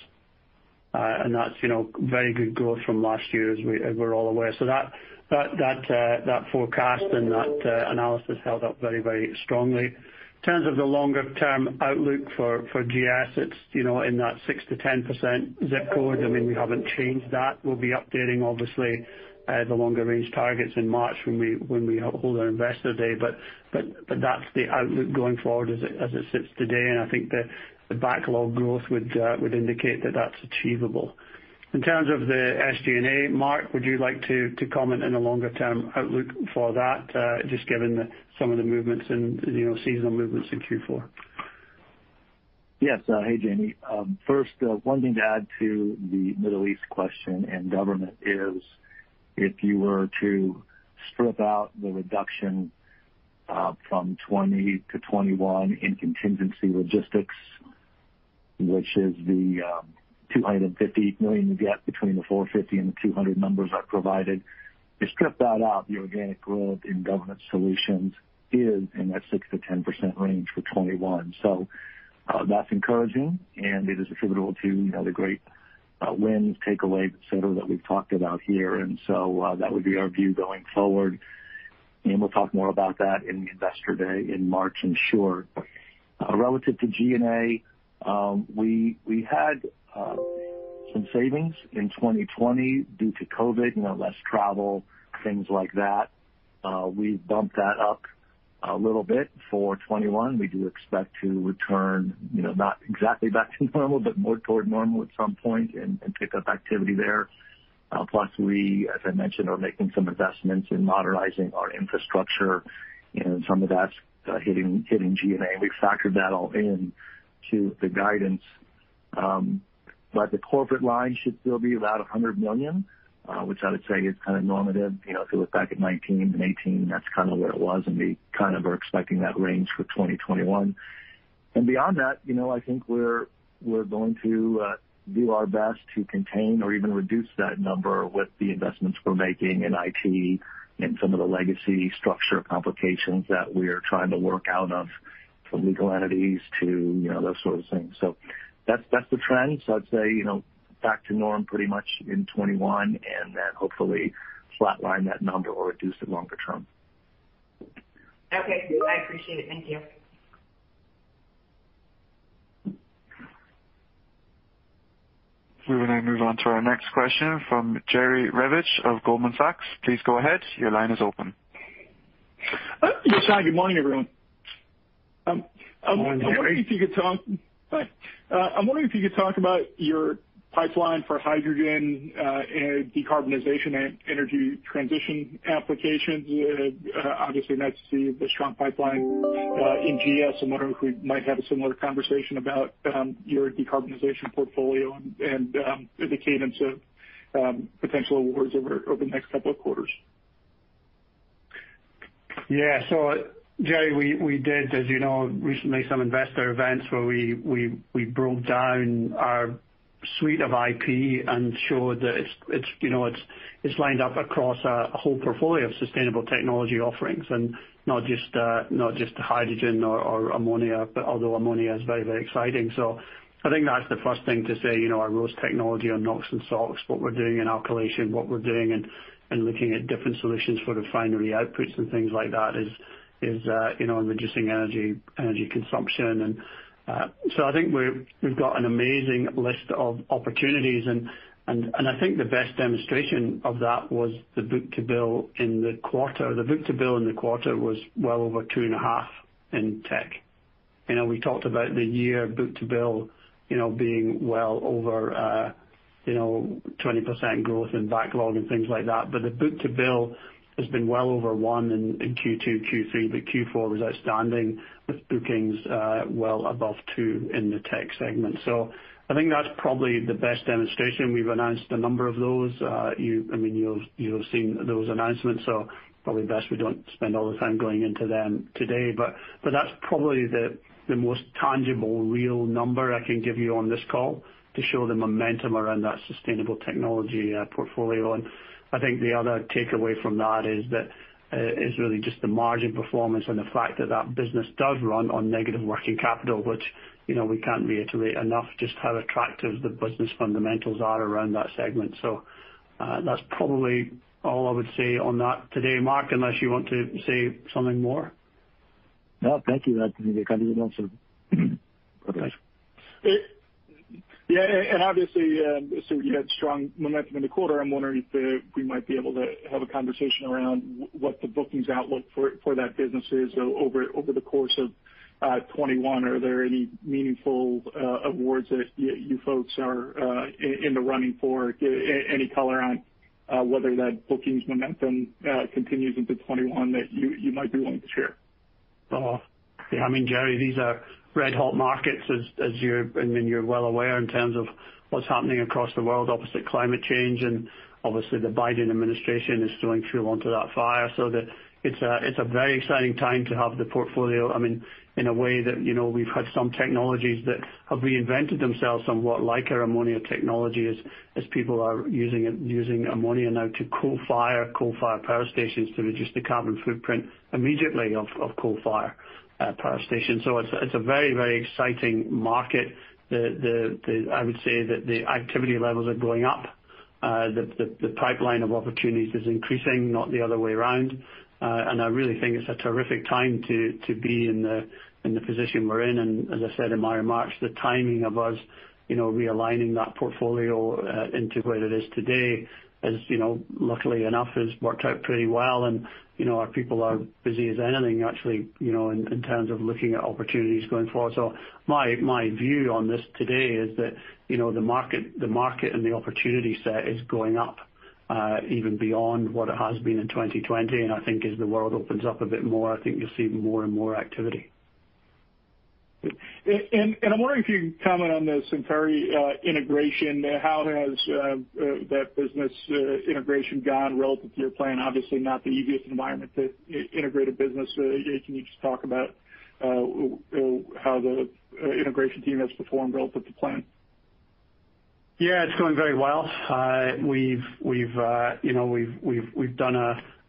That's very good growth from last year, as we're all aware. That forecast and that analysis held up very strongly. In terms of the longer-term outlook for GS, it's in that 6%-10% zip code. I mean, we haven't changed that. We'll be updating, obviously, the longer-range targets in March when we hold our Investor Day. That's the outlook going forward as it sits today, and I think the backlog growth would indicate that that's achievable. In terms of the SG&A, Mark, would you like to comment on the longer-term outlook for that just given some of the seasonal movements in Q4? Yes. Hey, Jamie. First, one thing to add to the Middle East question and government is if you were to strip out the reduction from 2020 to 2021 in contingency logistics, which is the $250 million gap between the $450 and the $200 numbers I provided. You strip that out, the organic growth in Government Solutions is in that 6%-10% range for 2021. That's encouraging, and it is attributable to the great wins, Takeaways, et cetera, that we've talked about here. That would be our view going forward, and we'll talk more about that in the Investor Day in March. Sure, relative to G&A, we had some savings in 2020 due to COVID, less travel, things like that. We've bumped that up a little bit for 2021. We do expect to return not exactly back to normal, but more toward normal at some point and pick up activity there. We, as I mentioned, are making some investments in modernizing our infrastructure and some of that's hitting G&A. We've factored that all into the guidance. The corporate line should still be about $100 million, which I would say is kind of normative. If you look back at 2019 and 2018, that's kind of where it was, and we kind of are expecting that range for 2021. Beyond that, I think we're going to do our best to contain or even reduce that number with the investments we're making in IT and some of the legacy structure complications that we're trying to work out of, from legal entities to those sorts of things. That's the trend. I'd say back to norm pretty much in 2021, then hopefully flatline that number or reduce it longer term. I appreciate it. Thank you. We will now move on to our next question from Jerry Revich of Goldman Sachs. Please go ahead. Your line is open. Yes. Hi, good morning, everyone. Morning, Jerry. I'm wondering if you could talk about your pipeline for hydrogen decarbonization and energy transition applications. Obviously, that's the strong pipeline in Government Solutions. I'm wondering if we might have a similar conversation about your decarbonization portfolio and the cadence of potential awards over the next couple of quarters. Yeah. Jerry, we did, as you know, recently some investor events where we broke down our suite of IP and showed that it's lined up across a whole portfolio of sustainable technology offerings and not just hydrogen or ammonia, but although ammonia is very exciting. I think that's the first thing to say, our ROAS technology on NOx and SOx, what we're doing in alkylation, what we're doing in looking at different solutions for refinery outputs and things like that is in reducing energy consumption. I think we've got an amazing list of opportunities and I think the best demonstration of that was the book-to-bill in the quarter. The book-to-bill in the quarter was well over two and a half in tech. We talked about the year book-to-bill being well over 20% growth in backlog and things like that. The book-to-bill has been well over one in Q2, Q3. Q4 was outstanding with bookings well above two in the tech segment. I think that's probably the best demonstration. We've announced a number of those. You have seen those announcements, so probably best we don't spend all the time going into them today. That's probably the most tangible, real number I can give you on this call to show the momentum around that sustainable technology portfolio. I think the other takeaway from that is really just the margin performance and the fact that that business does run on negative working capital, which we can't reiterate enough just how attractive the business fundamentals are around that segment. That's probably all I would say on that today, Mark, unless you want to say something more. No, thank you. That's really kind of it also. Okay. Obviously, assuming you had strong momentum in the quarter, I'm wondering if we might be able to have a conversation around what the bookings outlook for that business is over the course of 2021. Are there any meaningful awards that you folks are in the running for? Any color on whether that bookings momentum continues into 2021 that you might be willing to share? I mean, Jerry, these are red hot markets. You're well aware in terms of what's happening across the world opposite climate change. Obviously the Biden administration is throwing fuel onto that fire. It's a very exciting time to have the portfolio. In a way that we've had some technologies that have reinvented themselves somewhat like our ammonia technology as people are using ammonia now to coal-fired power stations to reduce the carbon footprint immediately of coal-fired power stations. It's a very exciting market. I would say that the activity levels are going up. The pipeline of opportunities is increasing, not the other way around. I really think it's a terrific time to be in the position we're in. As I said in my remarks, the timing of us realigning that portfolio into where it is today, luckily enough, has worked out pretty well. Our people are busy as anything, actually, in terms of looking at opportunities going forward. My view on this today is that the market and the opportunity set is going up, even beyond what it has been in 2020. I think as the world opens up a bit more, I think you'll see more and more activity. Good. I'm wondering if you can comment on the Centauri integration. How has that business integration gone relative to your plan? Obviously not the easiest environment to integrate a business. Can you just talk about how the integration team has performed relative to plan? Yeah, it's going very well.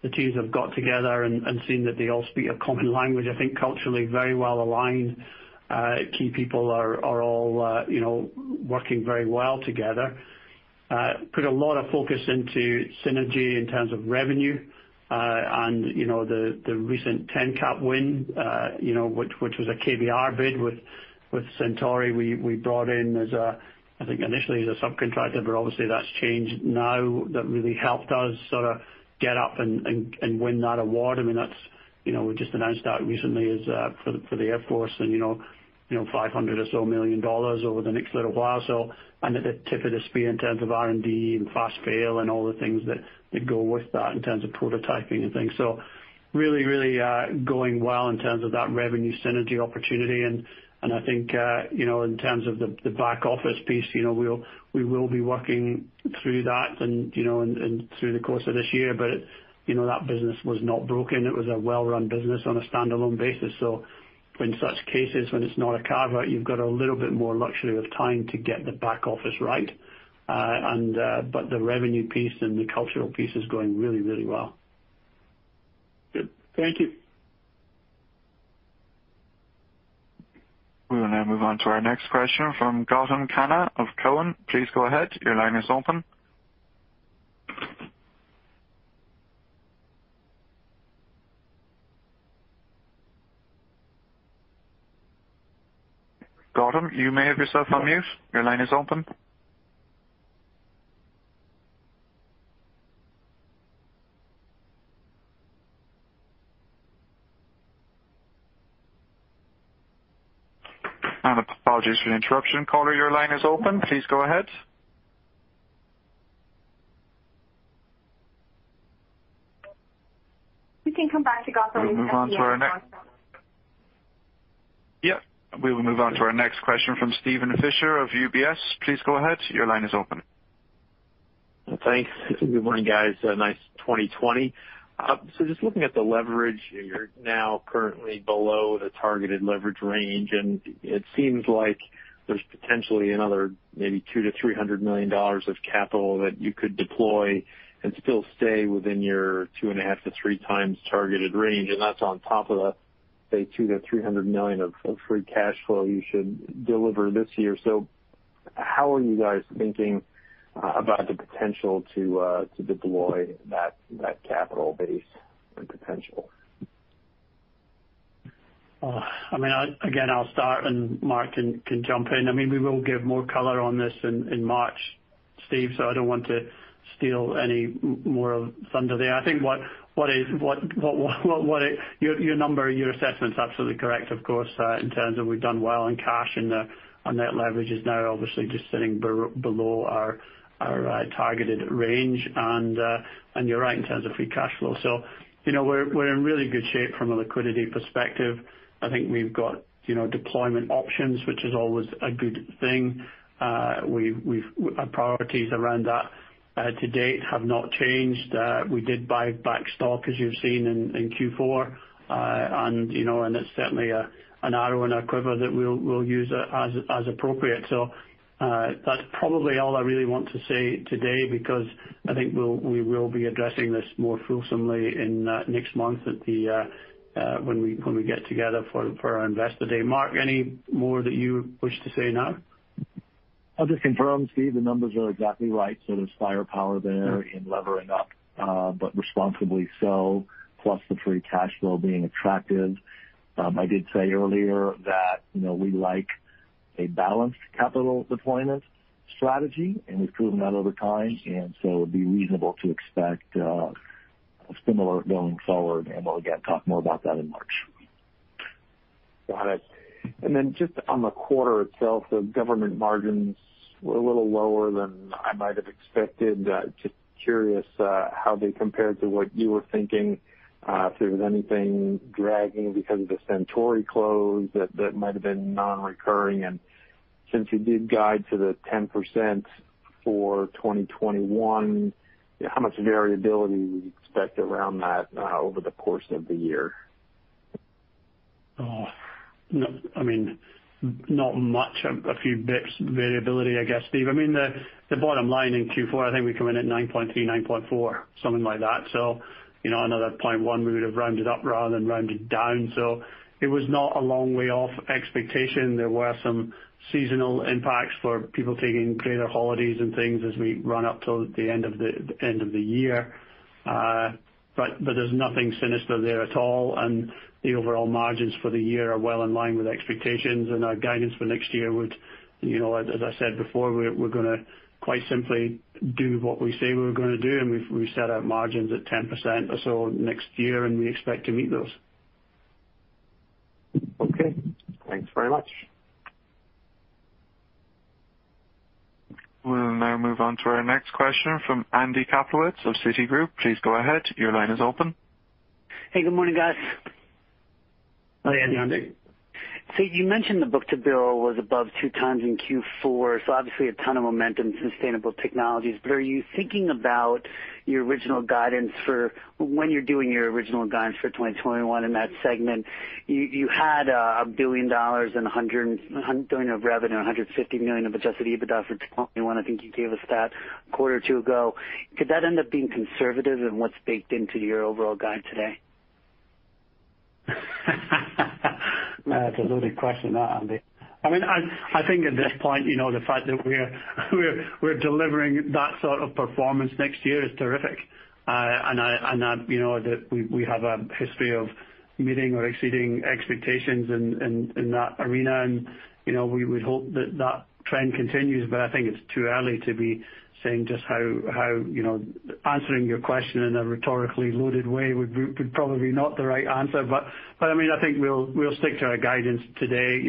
The teams have got together and seen that they all speak a common language. I think culturally very well aligned. Key people are all working very well together. Put a lot of focus into synergy in terms of revenue. The recent TENCAP win, which was a KBR bid with Centauri. We brought in as, I think, initially as a subcontractor, but obviously that's changed now. That really helped us sort of get up and win that award. We just announced that recently for the Air Force and $500 or so million over the next little while. At the tip of the spear in terms of R&D and fast fail and all the things that go with that in terms of prototyping and things. Really going well in terms of that revenue synergy opportunity. I think, in terms of the back office piece, we will be working through that and through the course of this year. That business was not broken. It was a well-run business on a standalone basis. In such cases, when it's not a carve-out, you've got a little bit more luxury of time to get the back office right. The revenue piece and the cultural piece is going really well. Good. Thank you. We will now move on to our next question from Gautam Khanna of Cowen. Please go ahead. Your line is open. Gautam, you may have yourself on mute. Your line is open. Apologies for the interruption. Caller, your line is open. Please go ahead. We can come back to Gautam- We will move on to our next question from Steven Fisher of UBS. Please go ahead. Your line is open. Well, thanks. Good morning, guys. Nice 2020. Just looking at the leverage, you're now currently below the targeted leverage range, and it seems like there's potentially another maybe $200 million to $300 million of capital that you could deploy and still stay within your two and a half to three times targeted range. That's on top of the, say, $200 million to $300 million of free cash flow you should deliver this year. How are you guys thinking about the potential to deploy that capital base or potential? Again, I'll start, and Mark can jump in. We will give more color on this in March, Steven, so I don't want to steal any more thunder there. I think your number, your assessment's absolutely correct, of course, in terms of we've done well in cash and our net leverage is now obviously just sitting below our targeted range. You're right in terms of free cash flow. We're in really good shape from a liquidity perspective. I think we've got deployment options, which is always a good thing. Our priorities around that to date have not changed. We did buy back stock, as you've seen in Q4, and it's certainly an arrow in our quiver that we'll use as appropriate. That's probably all I really want to say today because I think we will be addressing this more fulsomely in next month when we get together for our Investor Day. Mark, any more that you wish to say now? I'll just confirm, Steven, the numbers are exactly right, so there's firepower there in levering up, but responsibly so, plus the free cash flow being attractive. I did say earlier that we like a balanced capital deployment strategy, and we've proven that over time, and so it'd be reasonable to expect similar going forward, and we'll again talk more about that in March. Got it. Just on the quarter itself, the government margins were a little lower than I might have expected. Just curious how they compared to what you were thinking, if there was anything dragging because of the Centauri close that might have been non-recurring. Since you did guide to the 10% for 2021, how much variability would you expect around that over the course of the year? Not much. A few bits of variability, I guess, Steve. The bottom line in Q4, I think we come in at 9.3%, 9.4%, something like that. Another 0.1 we would have rounded up rather than rounded down. It was not a long way off expectation. There were some seasonal impacts for people taking greater holidays and things as we run up to the end of the year. There's nothing sinister there at all, the overall margins for the year are well in line with expectations, our guidance for next year would, as I said before, we're going to quite simply do what we say we were going to do, and we set our margins at 10% or so next year, and we expect to meet those. Okay. Thanks very much. We'll now move on to our next question from Andrew Kaplowitz of Citigroup. Please go ahead. Your line is open. Hey, good morning, guys. Hi, Andy. Hi, Andy. Stuart, you mentioned the book-to-bill was above two times in Q4. Obviously a ton of momentum, Sustainable technologies. Are you thinking about your original guidance for when you're doing your original guidance for 2021 in that segment? You had $1 billion of revenue, $150 million of adjusted EBITDA for 2021. I think you gave us that a quarter or two ago. Could that end up being conservative in what's baked into your overall guide today? That's a loaded question, that, Andy. I think at this point, the fact that we're delivering that sort of performance next year is terrific. We have a history of meeting or exceeding expectations in that arena, and we would hope that that trend continues, but I think it's too early to be saying just how. Answering your question in a rhetorically loaded way would probably be not the right answer. I think we'll stick to our guidance today.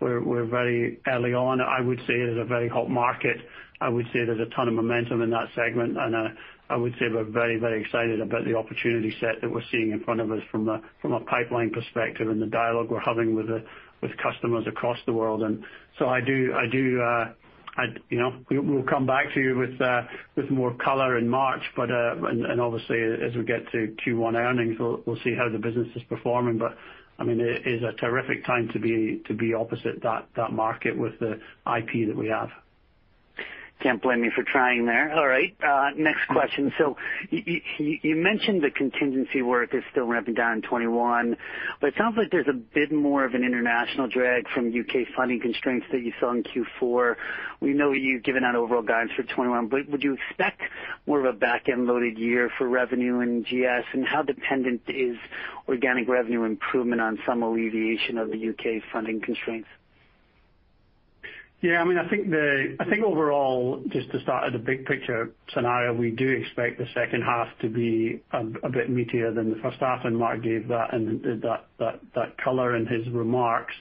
We're very early on. I would say it is a very hot market. I would say there's a ton of momentum in that segment. I would say we're very excited about the opportunity set that we're seeing in front of us from a pipeline perspective and the dialogue we're having with customers across the world. We'll come back to you with more color in March. Obviously, as we get to Q1 earnings, we'll see how the business is performing. It is a terrific time to be opposite that market with the IP that we have. Can't blame me for trying there. All right, next question. You mentioned the contingency work is still ramping down in 2021, but it sounds like there's a bit more of an international drag from U.K. funding constraints that you saw in Q4. We know you've given out overall guidance for 2021, but would you expect more of a back-end loaded year for revenue and GS, and how dependent is organic revenue improvement on some alleviation of the U.K. funding constraints? I think overall, just to start at the big picture scenario, we do expect the second half to be a bit meatier than the first half, and Mark gave that color in his remarks.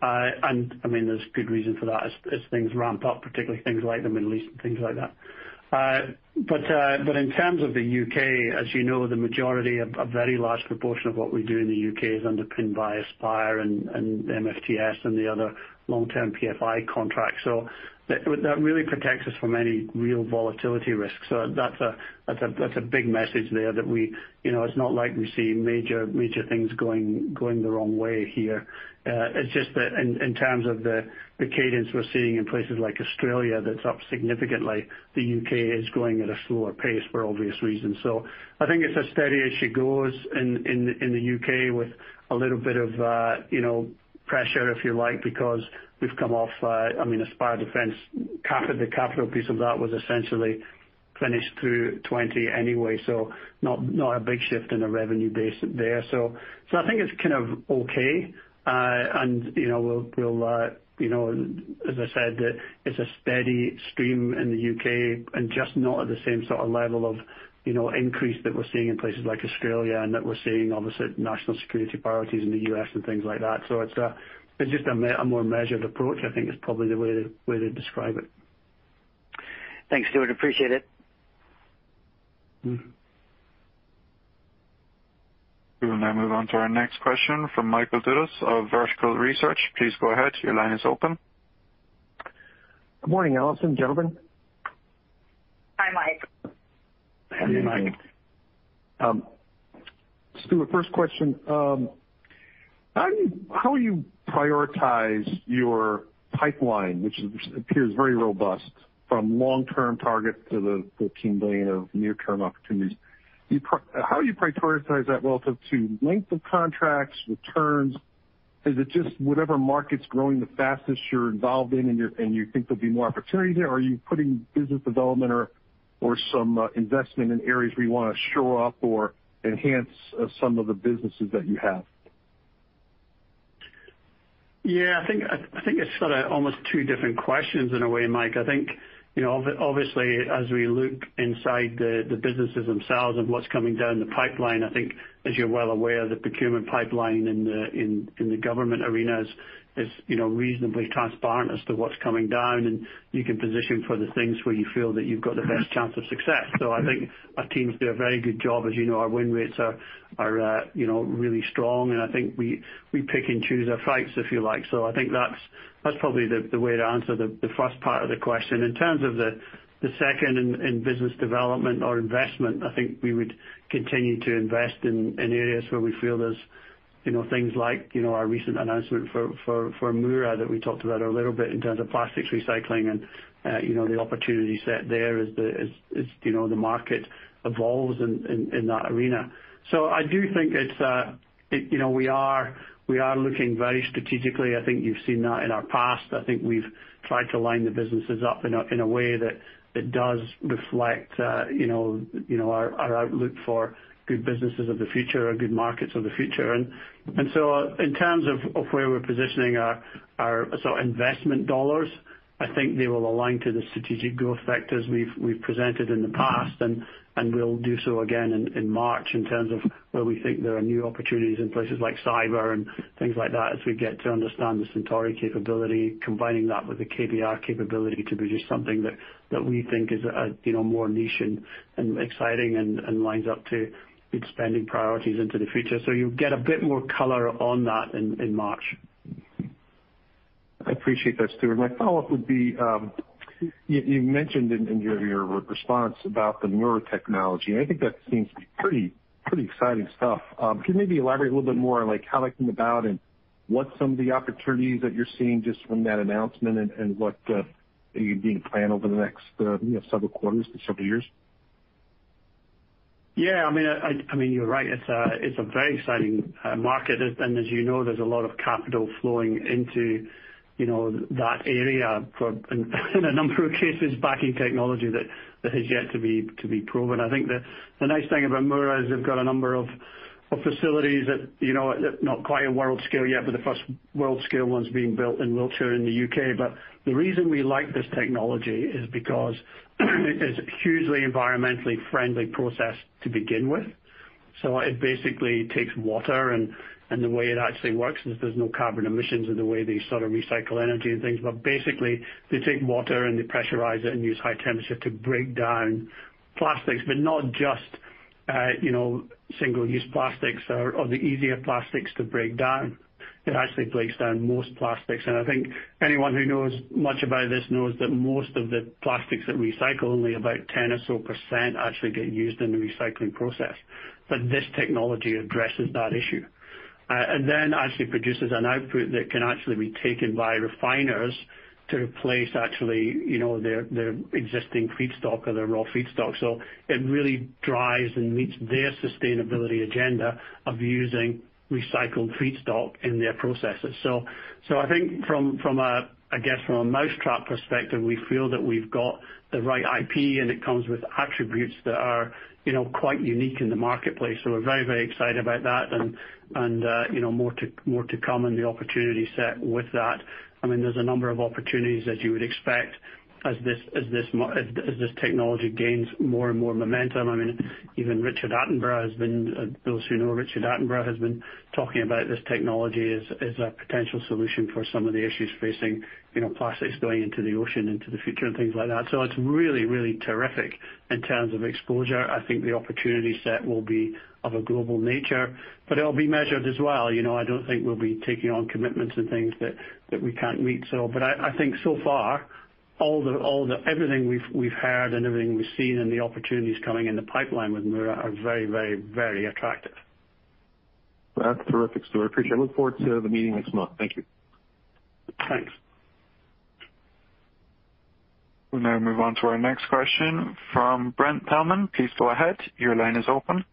There's good reason for that as things ramp up, particularly things like the Middle East and things like that. In terms of the U.K., as you know, the majority, a very large proportion of what we do in the U.K. is underpinned by Aspire and MFTS and the other long-term PFI contracts. That really protects us from any real volatility risks. That's a big message there that it's not like we're seeing major things going the wrong way here. It's just that in terms of the cadence we're seeing in places like Australia, that's up significantly, the U.K. is growing at a slower pace for obvious reasons. I think it's as steady as she goes in the U.K. with a little bit of pressure, if you like, because we've come off. Aspire Defence, the capital piece of that was essentially finished through 2020 anyway, not a big shift in the revenue base there. I think it's kind of okay. As I said, it's a steady stream in the U.K. and just not at the same sort of level of increase that we're seeing in places like Australia and that we're seeing, obviously, national security priorities in the U.S. and things like that. It's just a more measured approach, I think is probably the way to describe it. Thanks, Stuart, appreciate it. We will now move on to our next question from Michael Dudas of Vertical Research. Please go ahead. Your line is open. Good morning, Alison, gentlemen. Hi, Mike. Good morning. Hi, Mike. Stuart, first question. How do you prioritize your pipeline, which appears very robust from long-term targets to the $14 billion of near-term opportunities? How do you prioritize that relative to length of contracts, returns? Is it just whatever market's growing the fastest you're involved in and you think there'll be more opportunity there? Are you putting business development or some investment in areas where you want to shore up or enhance some of the businesses that you have? Yeah, I think it's sort of almost two different questions in a way, Mike. I think, obviously, as we look inside the businesses themselves and what's coming down the pipeline, I think as you're well aware, the procurement pipeline in the government arena is reasonably transparent as to what's coming down, and you can position for the things where you feel that you've got the best chance of success. I think our teams do a very good job. As you know, our win rates are really strong, and I think we pick and choose our fights, if you like. I think that's probably the way to answer the first part of the question. In terms of the second in business development or investment, I think we would continue to invest in areas where we feel there's things like our recent announcement for Mura that we talked about a little bit in terms of plastics recycling and the opportunity set there as the market evolves in that arena. I do think we are looking very strategically. I think you've seen that in our past. I think we've tried to line the businesses up in a way that does reflect our outlook for good businesses of the future or good markets of the future. In terms of where we're positioning our investment dollars, I think they will align to the strategic growth vectors we've presented in the past, and will do so again in March in terms of where we think there are new opportunities in places like cyber and things like that as we get to understand the Centauri capability, combining that with the KBR capability to produce something that we think is more niche and exciting and lines up to expanding priorities into the future. You'll get a bit more color on that in March. I appreciate that, Stuart. My follow-up would be, you mentioned in your response about the Mura technology. I think that seems to be pretty exciting stuff. Could you maybe elaborate a little bit more on how that came about and what some of the opportunities that you're seeing just from that announcement and what you plan over the next several quarters to several years? Yeah. You're right. It's a very exciting market. As you know, there's a lot of capital flowing into that area for, in a number of cases, backing technology that has yet to be proven. I think the nice thing about Mura is they've got a number of facilities that, not quite a world scale yet, but the first world scale one's being built in Wiltshire in the U.K. The reason we like this technology is because it's a hugely environmentally friendly process to begin with. It basically takes water, and the way it actually works is there's no carbon emissions in the way they sort of recycle energy and things. Basically, they take water and they pressurize it and use high temperature to break down plastics. Not just single-use plastics or the easier plastics to break down. It actually breaks down most plastics. I think anyone who knows much about this knows that most of the plastics that recycle, only about 10% or so actually get used in the recycling process. This technology addresses that issue. It actually produces an output that can actually be taken by refiners to replace their existing feedstock or their raw feedstock. It really drives and meets their sustainability agenda of using recycled feedstock in their processes. I think from a mousetrap perspective, we feel that we've got the right IP, and it comes with attributes that are quite unique in the marketplace. We're very excited about that and more to come in the opportunity set with that. There's a number of opportunities as you would expect, as this technology gains more and more momentum. Even David Attenborough, those who know David Attenborough, has been talking about this technology as a potential solution for some of the issues facing plastics going into the ocean into the future and things like that. It's really, really terrific in terms of exposure. I think the opportunity set will be of a global nature, but it'll be measured as well. I don't think we'll be taking on commitments and things that we can't meet. I think so far, everything we've heard and everything we've seen and the opportunities coming in the pipeline with Mura are very, very, very attractive. That's terrific, Stuart Bradie. Appreciate it. Look forward to the meeting next month. Thank you. Thanks. We'll now move on to our next question from Brent Thielman. Please go ahead. Your line is open.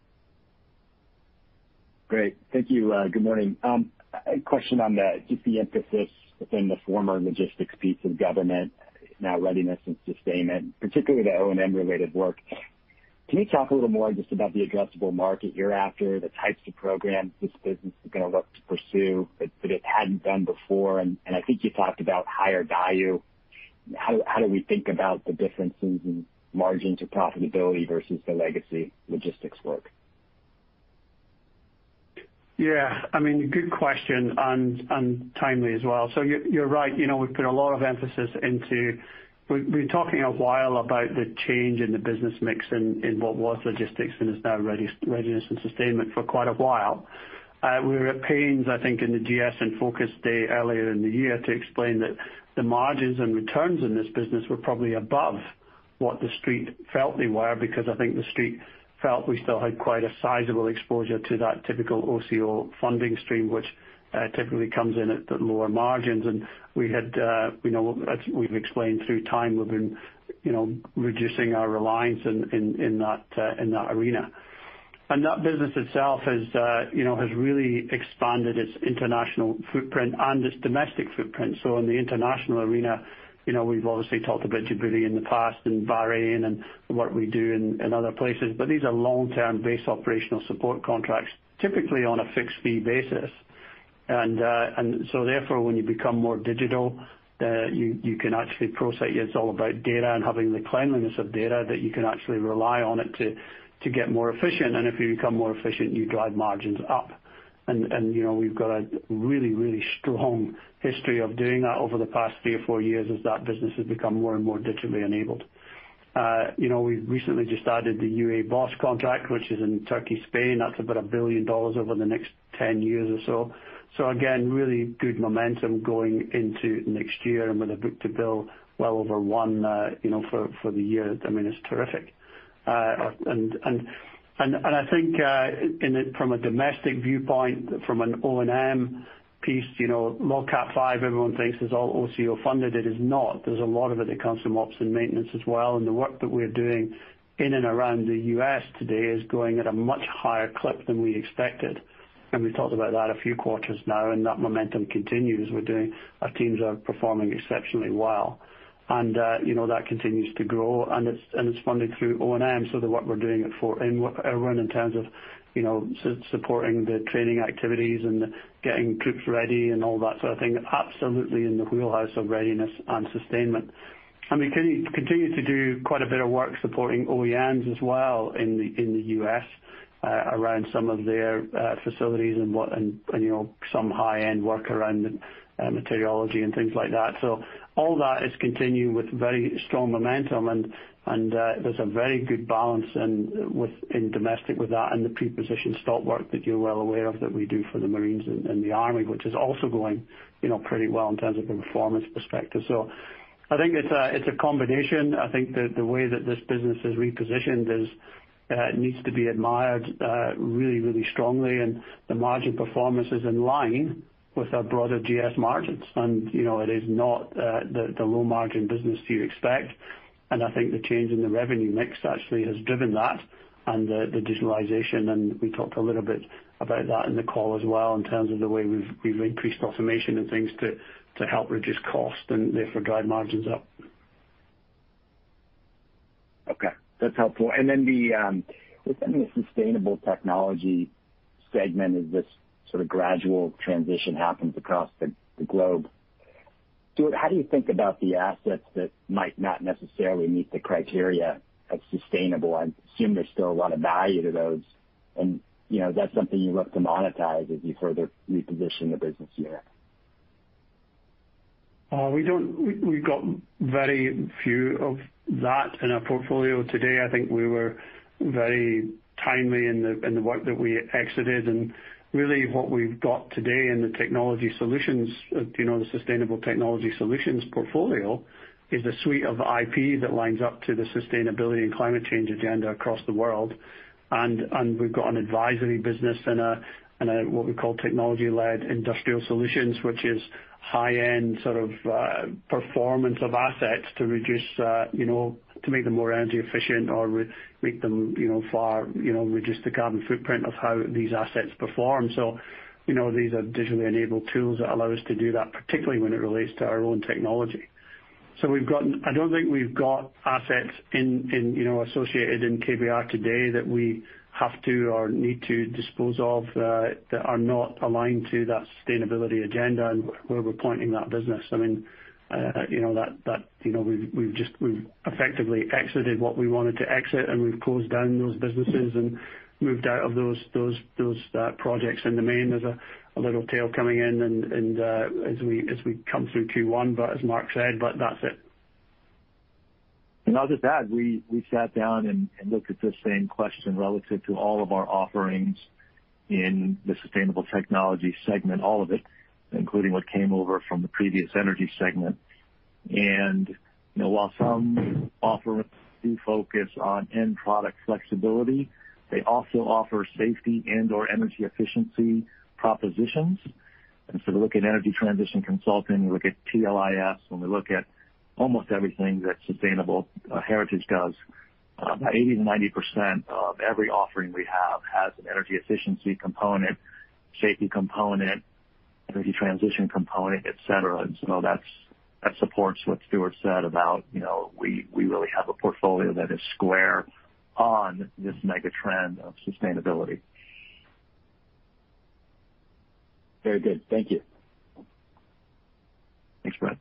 Great. Thank you. Good morning. A question on just the emphasis within the former logistics piece of Government Solutions, now Readiness and Sustainment, particularly the O&M related work. Can you talk a little more just about the addressable market you're after, the types of programs this business is going to look to pursue that it hadn't done before? I think you talked about higher value. How do we think about the differences in margins or profitability versus the legacy logistics work? Good question, timely as well. You're right. We've put a lot of emphasis. We've been talking a while about the change in the business mix in what was logistics and is now Readiness and Sustainment for quite a while. We were at pains, I think, in the Government Solutions Focus Day earlier in the year to explain that the margins and returns in this business were probably above what the Street felt they were, because I think the Street felt we still had quite a sizable exposure to that typical OCO funding stream, which typically comes in at the lower margins. As we've explained through time, we've been reducing our reliance in that arena. That business itself has really expanded its international footprint and its domestic footprint. In the international arena, we've obviously talked about Djibouti in the past and Bahrain and what we do in other places. These are long-term base operational support contracts, typically on a fixed-fee basis. Therefore, when you become more digital, you can actually process. It's all about data and having the cleanliness of data that you can actually rely on it to get more efficient. If you become more efficient, you drive margins up. We've got a really, really strong history of doing that over the past three or four years as that business has become more and more digitally enabled. We've recently just added the EUCOM BOSS contract, which is in Turkey, Spain. That's about $1 billion over the next 10 years or so. Again, really good momentum going into next year and with a book-to-bill well over one for the year. It's terrific. I think from a domestic viewpoint, from an O&M piece, LOGCAP V, everyone thinks is all OCO funded. It is not. There's a lot of it that comes from ops and maintenance as well, the work that we're doing in and around the U.S. today is going at a much higher clip than we expected. We've talked about that a few quarters now, that momentum continues. Our teams are performing exceptionally well. That continues to grow, and it's funded through O&M. The work we're doing in terms of supporting the training activities and getting troops ready and all that sort of thing, absolutely in the wheelhouse of Readiness and Sustainment. We continue to do quite a bit of work supporting OEMs as well in the U.S. around some of their facilities and some high-end work around materiology and things like that. All that is continuing with very strong momentum, and there's a very good balance in domestic with that and the pre-positioned stock work that you're well aware of that we do for the Marines and the Army, which is also going pretty well in terms of a performance perspective. I think it's a combination. I think that the way that this business is repositioned needs to be admired really, really strongly, and the margin performance is in line with our broader GS margins. It is not the low-margin business you expect. I think the change in the revenue mix actually has driven that and the digitalization. We talked a little bit about that in the call as well in terms of the way we've increased automation and things to help reduce cost and therefore drive margins up. Okay. That's helpful. Then within the Sustainable Technology segment as this sort of gradual transition happens across the globe, Stuart, how do you think about the assets that might not necessarily meet the criteria of sustainable? I assume there's still a lot of value to those, and is that something you look to monetize as you further reposition the business here? We've got very few of that in our portfolio today. I think we were very timely in the work that we exited, and really what we've got today in the technology solutions, the Sustainable Technology Solutions portfolio, is a suite of IP that lines up to the sustainability and climate change agenda across the world. We've got an advisory business and what we call technology-led industrial solutions, which is high-end sort of performance of assets to make them more energy efficient or reduce the carbon footprint of how these assets perform. These are digitally enabled tools that allow us to do that, particularly when it relates to our own technology. I don't think we've got assets associated in KBR today that we have to or need to dispose of that are not aligned to that sustainability agenda and where we're pointing that business. We've effectively exited what we wanted to exit, and we've closed down those businesses and moved out of those projects in the main. There's a little tail coming in and as we come through Q1, but as Mark said, but that's it. I'll just add, we sat down and looked at the same question relative to all of our offerings in the sustainable technology segment, all of it, including what came over from the previous energy segment. While some offerings do focus on end product flexibility, they also offer safety and/or energy efficiency propositions. We look at energy transition consulting, we look at TLIS. When we look at almost everything that Sustainable Technology Solutions does, about 80%-90% of every offering we have has an energy efficiency component, safety component, energy transition component, et cetera. It supports what Stuart said about we really have a portfolio that is square on this mega trend of sustainability. Very good. Thank you. Thanks, Brent.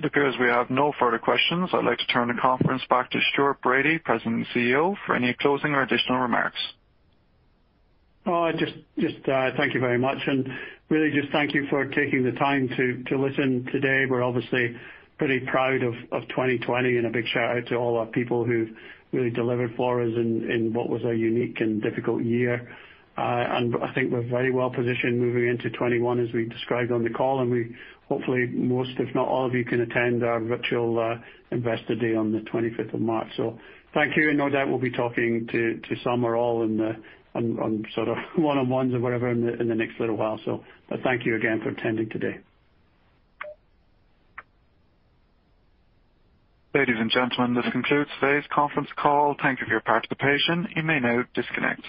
It appears we have no further questions. I'd like to turn the conference back to Stuart Bradie, President and CEO, for any closing or additional remarks. Just thank you very much. Really just thank you for taking the time to listen today. We're obviously pretty proud of 2020, and a big shout-out to all our people who really delivered for us in what was a unique and difficult year. I think we're very well-positioned moving into 2021, as we described on the call, and we hopefully, most, if not all of you, can attend our virtual Investor Day on the 25th of March. Thank you, and no doubt we'll be talking to some or all on one-on-ones or whatever in the next little while. Thank you again for attending today. Ladies and gentlemen, this concludes today's conference call. Thank you for your participation. You may now disconnect.